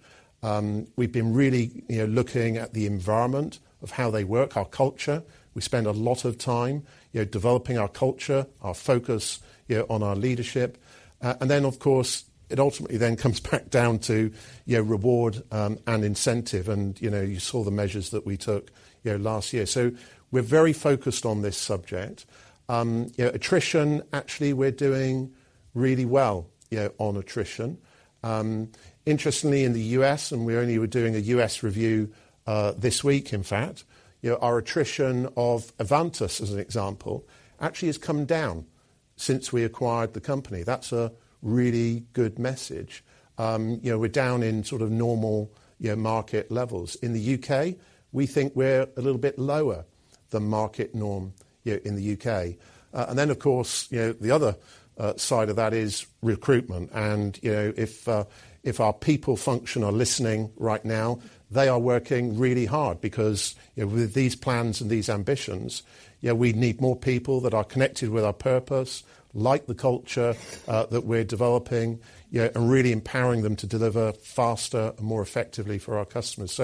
We've been really looking at the environment of how they work, our culture. We spend a lot of time developing our culture, our focus on our leadership. Of course, it ultimately then comes back down to, you know, reward, and incentive, and, you know, you saw the measures that we took, you know, last year. We're very focused on this subject. You know, attrition, actually, we're doing really well, you know, on attrition. Interestingly, in the US, and we only were doing a US review, this week, in fact, you know, our attrition of Avantus, as an example, actually has come down since we acquired the company. That's a really good message. You know, we're down in sort of normal, you know, market levels. In the UK, we think we're a little bit lower than market norm, yeah, in the UK. Of course, you know, the other, side of that is recruitment. You know, if our people function are listening right now, they are working really hard because, you know, with these plans and these ambitions, yeah, we need more people that are connected with our purpose, like the culture that we're developing, you know, and really empowering them to deliver faster and more effectively for our customers.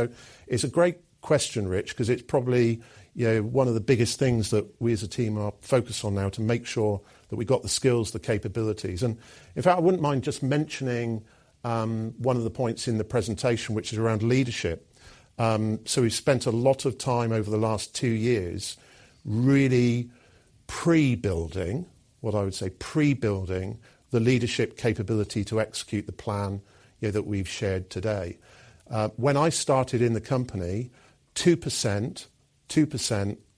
It's a great question, Rich, 'cause it's probably, you know, one of the biggest things that we as a team are focused on now to make sure that we got the skills, the capabilities. In fact, I wouldn't mind just mentioning one of the points in the presentation, which is around leadership. We've spent a lot of time over the last two years really pre-building, what I would say, pre-building the leadership capability to execute the plan, you know, that we've shared today. When I started in the company, 2%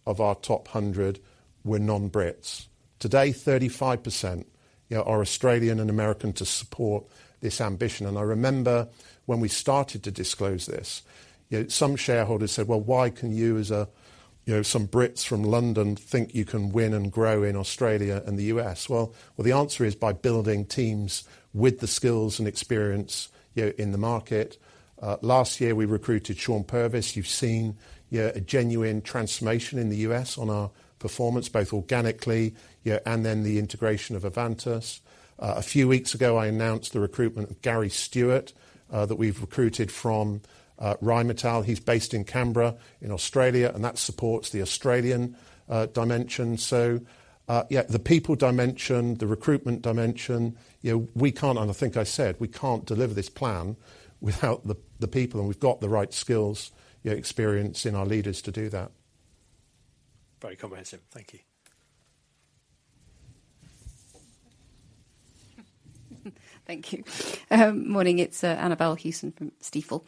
of our top 100 were non-Brits. Today, 35%, you know, are Australian and American to support this ambition. I remember when we started to disclose this, you know, some shareholders said, "Well, why can you as, you know, some Brits from London think you can win and grow in Australia and the US?" Well, the answer is by building teams with the skills and experience, you know, in the market. Last year, we recruited Shawn Purvis. You've seen, yeah, a genuine transformation in the US on our performance, both organically, yeah, and then the integration of Avantus. A few weeks ago, I announced the recruitment of Gary Stewart, that we've recruited from Rheinmetall. He's based in Canberra, in Australia, and that supports the Australian dimension. Yeah, the people dimension, the recruitment dimension, you know, we can't. I think I said, we can't deliver this plan without the people, and we've got the right skills, yeah, experience in our leaders to do that. Very comprehensive. Thank you. Thank you. Morning, it's Annabel Hewitt from Stifel.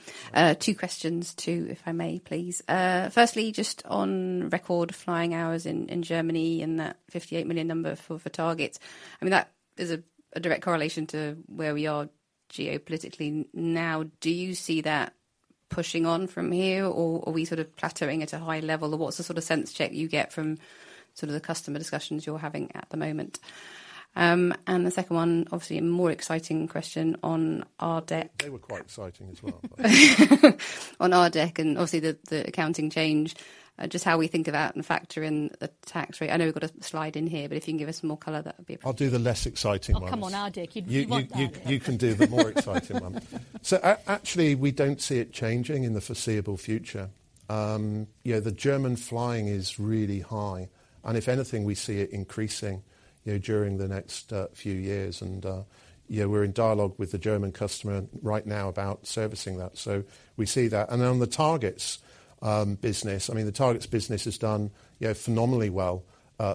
Two questions, if I may please. Firstly, just on record flying hours in Germany and that 58 million number for the targets. I mean, that is a direct correlation to where we are geopolitically now. Do you see that pushing on from here, or are we sort of plateauing at a high level? What's the sort of sense check you get from the customer discussions you're having at the moment? The second one, obviously a more exciting question on our. They were quite exciting as well. Obviously, the accounting change, just how we think of that and factor in the tax rate. I know we've got a slide in here, but if you can give us more color, that would be appreciated. I'll do the less exciting ones. Come on, our deck. You want that. You can do the more exciting one. Actually, we don't see it changing in the foreseeable future. Yeah, the German flying is really high, and if anything, we see it increasing, you know, during the next few years. Yeah, we're in dialogue with the German customer right now about servicing that, so we see that. On the targets business, I mean, the targets business has done, you know, phenomenally well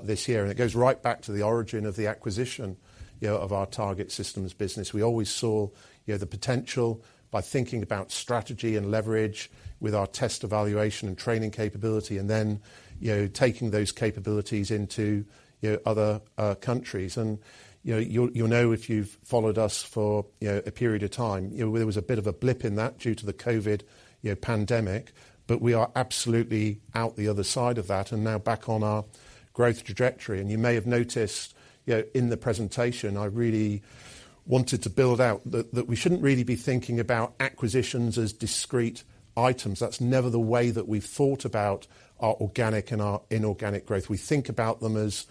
this year. It goes right back to the origin of the acquisition, you know, of our target systems business. We always saw, you know, the potential by thinking about strategy and leverage with our Test & Evaluation and training capability, and then, you know, taking those capabilities into, you know, other countries. You know, you'll know if you've followed us for, you know, a period of time, you know, there was a bit of a blip in that due to the COVID, you know, pandemic, but we are absolutely out the other side of that, and now back on our growth trajectory. You may have noticed, you know, in the presentation, I really wanted to build out that we shouldn't really be thinking about acquisitions as discrete items. That's never the way that we've thought about our organic and our inorganic growth. We think about them as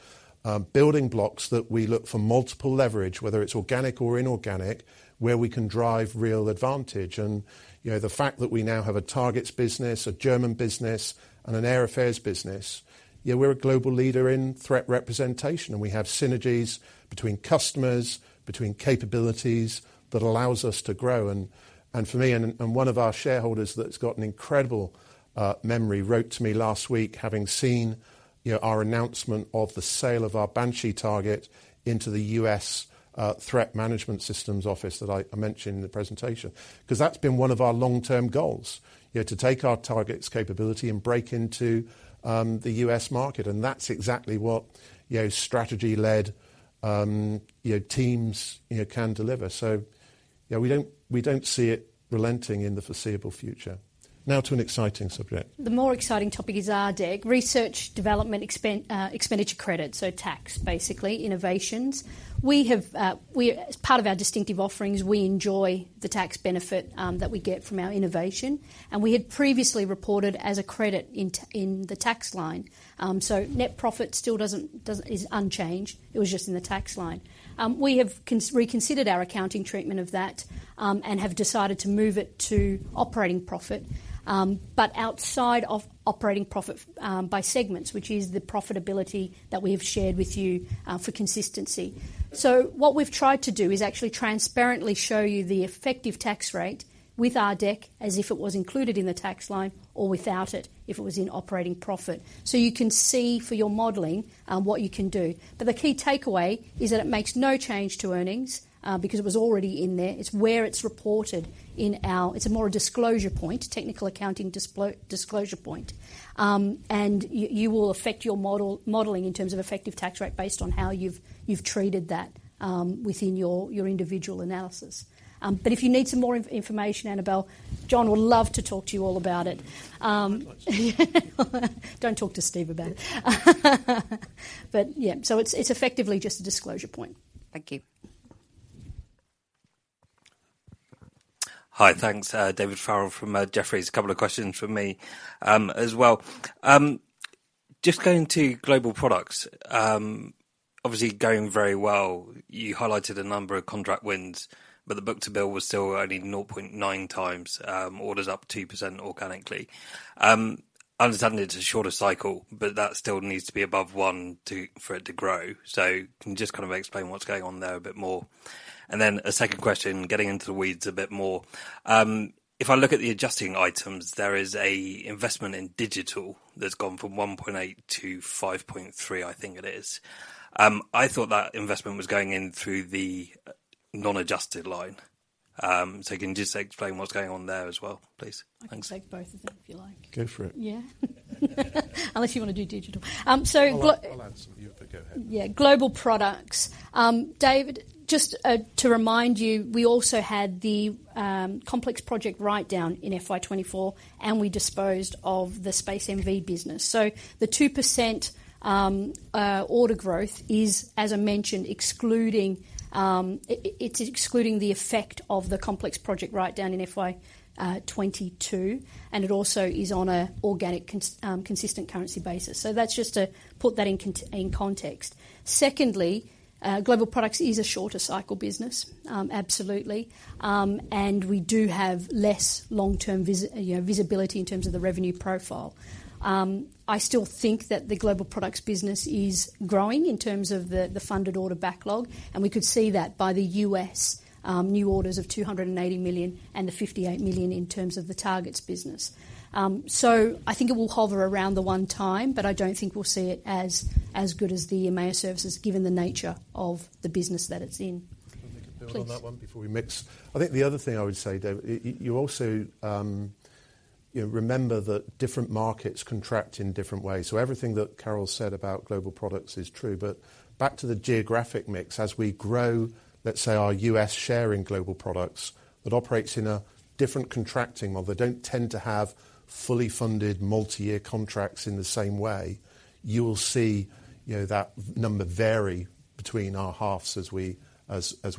building blocks that we look for multiple leverage, whether it's organic or inorganic, where we can drive real advantage. You know, the fact that we now have a Targets business, a German business, and an Air Affairs business, yeah, we're a global leader in threat representation, and we have synergies between customers, between capabilities, that allows us to grow. For me, and one of our shareholders that's got an incredible memory, wrote to me last week, having seen, you know, our announcement of the sale of our Banshee target into the U.S. Threat Systems Management Office that I mentioned in the presentation. Cause that's been one of our long-term goals, you know, to take our targets capability and break into the U.S. market. That's exactly what, you know, strategy-led, you know, teams, you know, can deliver. Yeah, we don't see it relenting in the foreseeable future. Now to an exciting subject. The more exciting topic is RDEC, Research, Development, Expenditure Credit, tax, basically, innovations. As part of our distinctive offerings, we enjoy the tax benefit that we get from our innovation, we had previously reported as a credit in the tax line. Net profit still is unchanged. It was just in the tax line. We have reconsidered our accounting treatment of that, have decided to move it to operating profit, outside of operating profit, by segments, which is the profitability that we have shared with you for consistency. What we've tried to do is actually transparently show you the effective tax rate with RDEC, as if it was included in the tax line or without it, if it was in operating profit. You can see for your modeling what you can do. The key takeaway is that it makes no change to earnings because it was already in there. It's a more disclosure point, technical accounting disclosure point. You will affect your modeling in terms of effective tax rate based on how you've treated that within your individual analysis. If you need some more information, Annabel, John would love to talk to you all about it. Don't talk to Steve about it. It's effectively just a disclosure point. Thank you. Hi. Thanks. David Farrell from Jefferies. A couple of questions from me as well. Just going to Global Products, obviously going very well. You highlighted a number of contract wins, the book-to-bill was still only 0.9x, orders up 2% organically. Understandably, it's a shorter cycle, that still needs to be above 1 for it to grow. Can you just kind of explain what's going on there a bit more? A second question, getting into the weeds a bit more. If I look at the adjusting items, there is a investment in digital that's gone from 1.8 to 5.3, I think it is. I thought that investment was going in through the non-adjusted line. Can you just explain what's going on there as well, please? Thanks. I can take both of them, if you like. Go for it. Yeah. Unless you wanna do digital. I'll add some if you go ahead. Yeah. Global Products. David, just to remind you, we also had the complex project write down in FY 2024, and we disposed of the Space NV business. The 2% order growth is, as I mentioned, It's excluding the effect of the complex project write down in FY 2022, and it also is on a organic consistent currency basis. That's just to put that in context. Secondly, Global Products is a shorter cycle business, absolutely. We do have less long-term, you know, visibility in terms of the revenue profile. I still think that the Global Products business is growing in terms of the funded order backlog, and we could see that by the U.S. new orders of $280 million and the 58 million in terms of the targets business. I think it will hover around the 1 time, but I don't think we'll see it as good as the EMEA Services, given the nature of the business that it's in. Can I build on that? Please. before we mix? I think the other thing I would say, David, you also, you know, remember that different markets contract in different ways. Everything that Carol said about Global Products is true. Back to the geographic mix, as we grow, let's say, our U.S. share in Global Products, that operates in a different contracting model. They don't tend to have fully funded multi-year contracts in the same way. You will see, you know, that number vary between our halves as we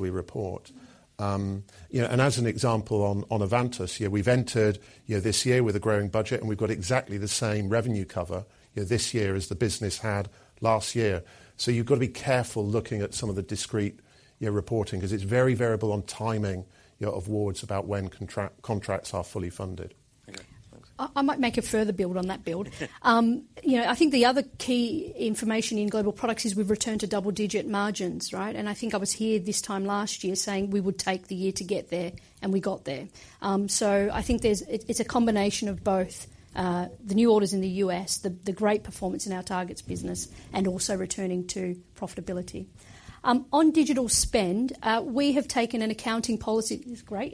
report. You know, and as an example, on Avantus, yeah, we've entered, you know, this year with a growing budget, and we've got exactly the same revenue cover, you know, this year as the business had last year. You've got to be careful looking at some of the discrete, your reporting, 'cause it's very variable on timing, you know, awards about when contracts are fully funded. Thank you. I might make a further build on that build. You know, I think the other key information in Global Products is we've returned to double-digit margins, right? I think I was here this time last year saying we would take the year to get there, and we got there. I think there's, it's a combination of both, the new orders in the U.S., the great performance in our Targets business, and also returning to profitability. On digital spend, Great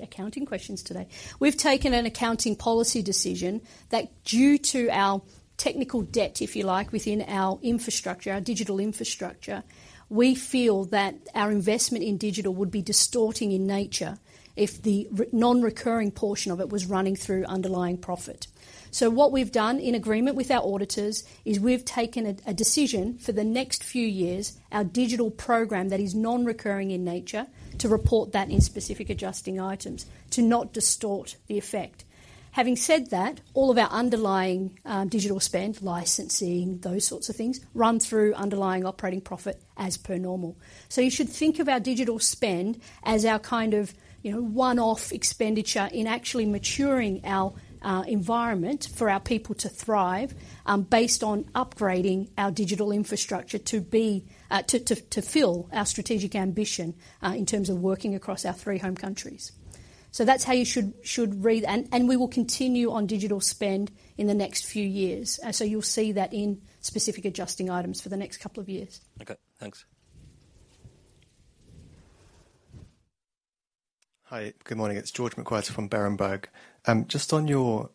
accounting questions today. We've taken an accounting policy decision that due to our technical debt, if you like, within our infrastructure, our digital infrastructure, we feel that our investment in digital would be distorting in nature if the non-recurring portion of it was running through underlying profit. What we've done, in agreement with our auditors, is we've taken a decision for the next few years, our digital program that is non-recurring in nature, to report that in specific adjusting items to not distort the effect. Having said that, all of our underlying digital spend, licensing, those sorts of things, run through underlying operating profit as per normal. You should think of our digital spend as our kind of, you know, one-off expenditure in actually maturing our environment for our people to thrive, based on upgrading our digital infrastructure to be to fill our strategic ambition in terms of working across our 3 home countries. That's how you should read. We will continue on digital spend in the next few years. You'll see that in specific adjusting items for the next couple of years. Okay, thanks. Hi. Good morning, it's George McWhirter from Berenberg. Just on your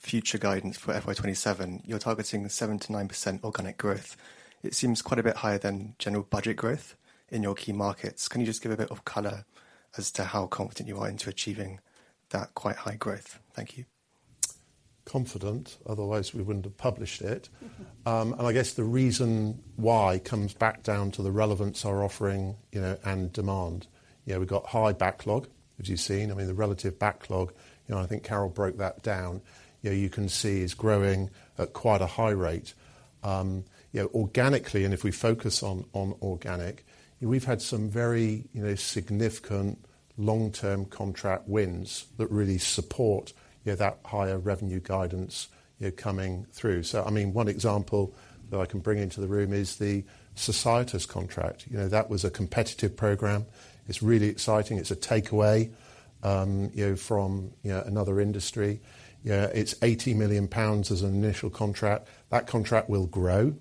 future guidance for FY 2027, you're targeting 7%-9% organic growth. It seems quite a bit higher than general budget growth in your key markets. Can you just give a bit of color as to how confident you are into achieving that quite high growth? Thank you. Confident, otherwise we wouldn't have published it. Mm-hmm. I guess the reason why comes back down to the relevance our offering, you know, and demand. You know, we've got high backlog, which you've seen. I mean, the relative backlog, you know, I think Carol broke that down. You know, you can see it's growing at quite a high rate. You know, organically, and if we focus on organic, we've had some very, you know, significant long-term contract wins that really support, you know, that higher revenue guidance, you know, coming through. I mean, one example that I can bring into the room is the SOCIETAS contract. You know, that was a competitive program. It's really exciting. It's a takeaway, you know, from, you know, another industry. You know, it's 80 million pounds as an initial contract. That contract will grow.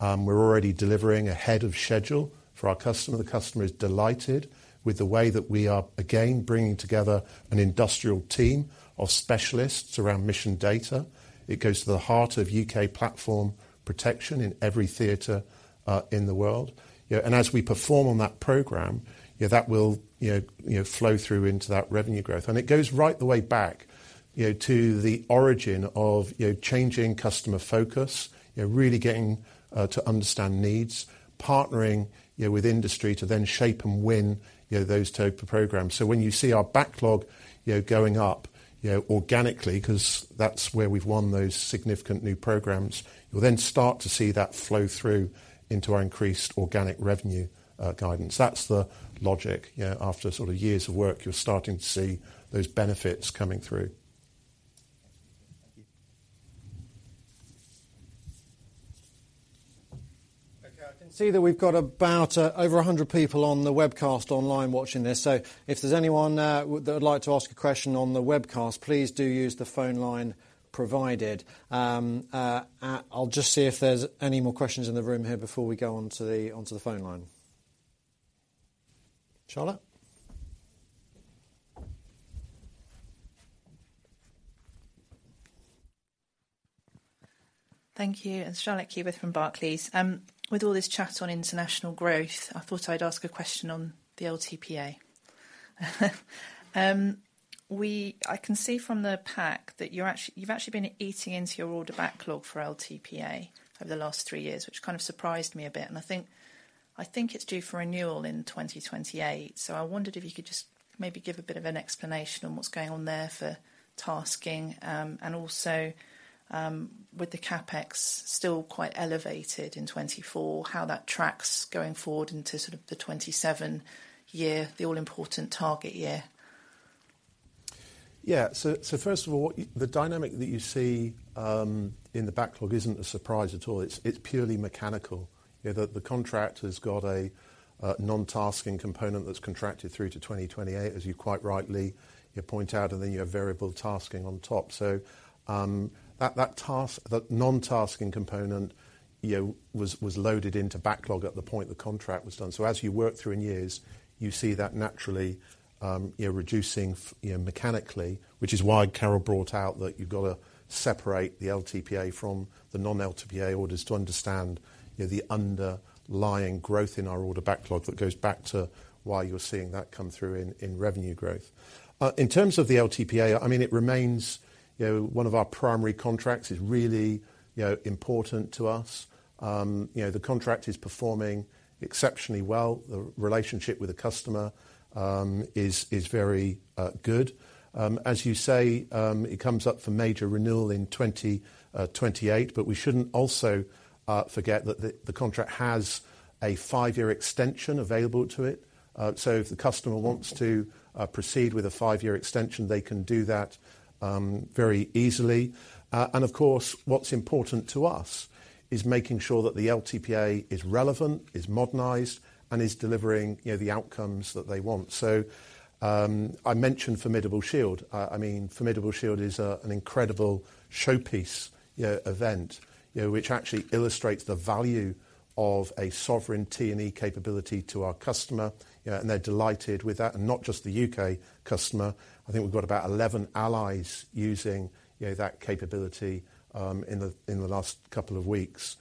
We're already delivering ahead of schedule for our customer. The customer is delighted with the way that we are, again, bringing together an industrial team of specialists around mission data. It goes to the heart of UK platform protection in every theater in the world. As we perform on that program, you know, that will, you know, flow through into that revenue growth. It goes right the way back, you know, to the origin of, you know, changing customer focus, you know, really getting to understand needs, partnering, you know, with industry to then shape and win, you know, those type of programs. When you see our backlog, you know, going up, you know, organically, 'cause that's where we've won those significant new programs, you'll then start to see that flow through into our increased organic revenue guidance. That's the logic. You know, after sort of years of work, you're starting to see those benefits coming through. Thank you. Okay, I can see that we've got about over 100 people on the webcast online watching this. If there's anyone that would like to ask a question on the webcast, please do use the phone line provided. I'll just see if there's any more questions in the room here before we go onto the, onto the phone line. Charlotte? Thank you. It's Charlotte Keyworth from Barclays. With all this chat on international growth, I thought I'd ask a question on the LTPA. I can see from the pack that you're actually, you've actually been eating into your order backlog for LTPA over the last 3 years, which kind of surprised me a bit, and I think it's due for renewal in 2028. I wondered if you could just maybe give a bit of an explanation on what's going on there for tasking, and also, with the CapEx still quite elevated in 2024, how that tracks going forward into sort of the 2027 year, the all-important target year? First of all, the dynamic that you see in the backlog isn't a surprise at all. It's purely mechanical. You know, the contract has got a non-tasking component that's contracted through to 2028, as you quite rightly point out, and then you have variable tasking on top. That non-tasking component, you know, was loaded into backlog at the point the contract was done. As you work through in years, you see that naturally, you're reducing, you know, mechanically, which is why Carol brought out that you've got to separate the LTPA from the non-LTPA orders to understand, you know, the underlying growth in our order backlog. That goes back to why you're seeing that come through in revenue growth. In terms of the LTPA, I mean, it remains, you know, one of our primary contracts. It's really, you know, important to us. You know, the contract is performing exceptionally well. The relationship with the customer is very good. As you say, it comes up for major renewal in 2028. We shouldn't also forget that the contract has a five-year extension available to it. If the customer wants to proceed with a five-year extension, they can do that very easily. Of course, what's important to us is making sure that the LTPA is relevant, is modernized, and is delivering, you know, the outcomes that they want. I mentioned Formidable Shield. I mean, Formidable Shield is an incredible showpiece, you know, event, you know, which actually illustrates the value-... of a sovereign T&E capability to our customer, you know, and they're delighted with that. Not just the U.K. customer, I think we've got about 11 allies using, you know, that capability in the last couple of weeks.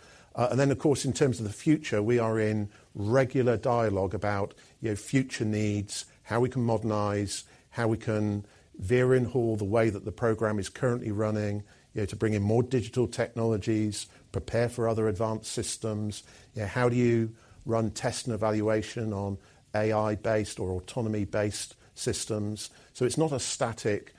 Then, of course, in terms of the future, we are in regular dialogue about, you know, future needs, how we can modernize, how we can veer and haul the way that the program is currently running, you know, to bring in more digital technologies, prepare for other advanced systems. You know, how do you run test and evaluation on AI-based or autonomy-based systems? It's not a static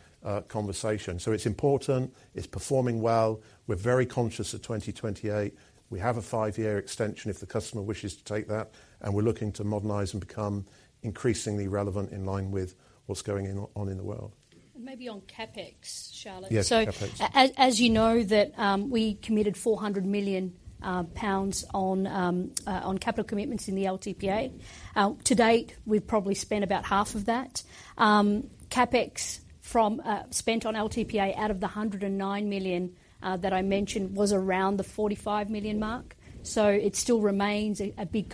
conversation. It's important. It's performing well. We're very conscious of 2028. We have a five-year extension if the customer wishes to take that, and we're looking to modernize and become increasingly relevant in line with what's going in, on in the world. Maybe on CapEx, Charlotte. Yes, CapEx. As you know, we committed 400 million pounds on capital commitments in the LTPA. To date, we've probably spent about half of that. CapEx from spent on LTPA out of the 109 million that I mentioned, was around the 45 million mark, so it still remains a big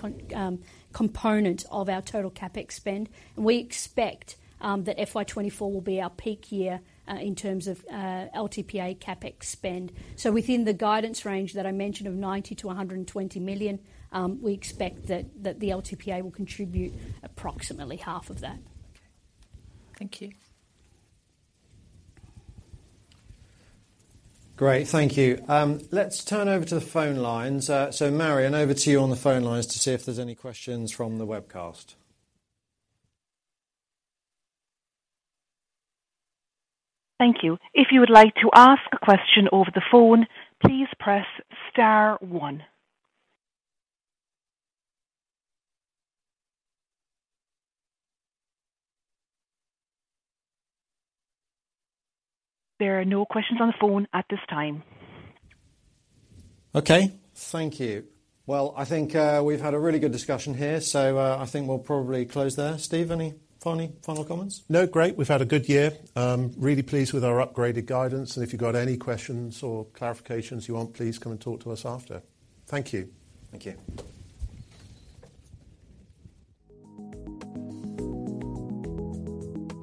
component of our total CapEx spend. We expect that FY 2024 will be our peak year in terms of LTPA CapEx spend. Within the guidance range that I mentioned of 90 million-120 million, we expect that the LTPA will contribute approximately half of that. Thank you. Great, thank you. Let's turn over to the phone lines. Marian, over to you on the phone lines to see if there's any questions from the webcast. Thank you. If you would like to ask a question over the phone, please press star one. There are no questions on the phone at this time. Okay. Thank you. Well, I think we've had a really good discussion here, so I think we'll probably close there. Steve, any final comments? No, great. We've had a good year. Really pleased with our upgraded guidance. If you've got any questions or clarifications you want, please come and talk to us after. Thank you. Thank you.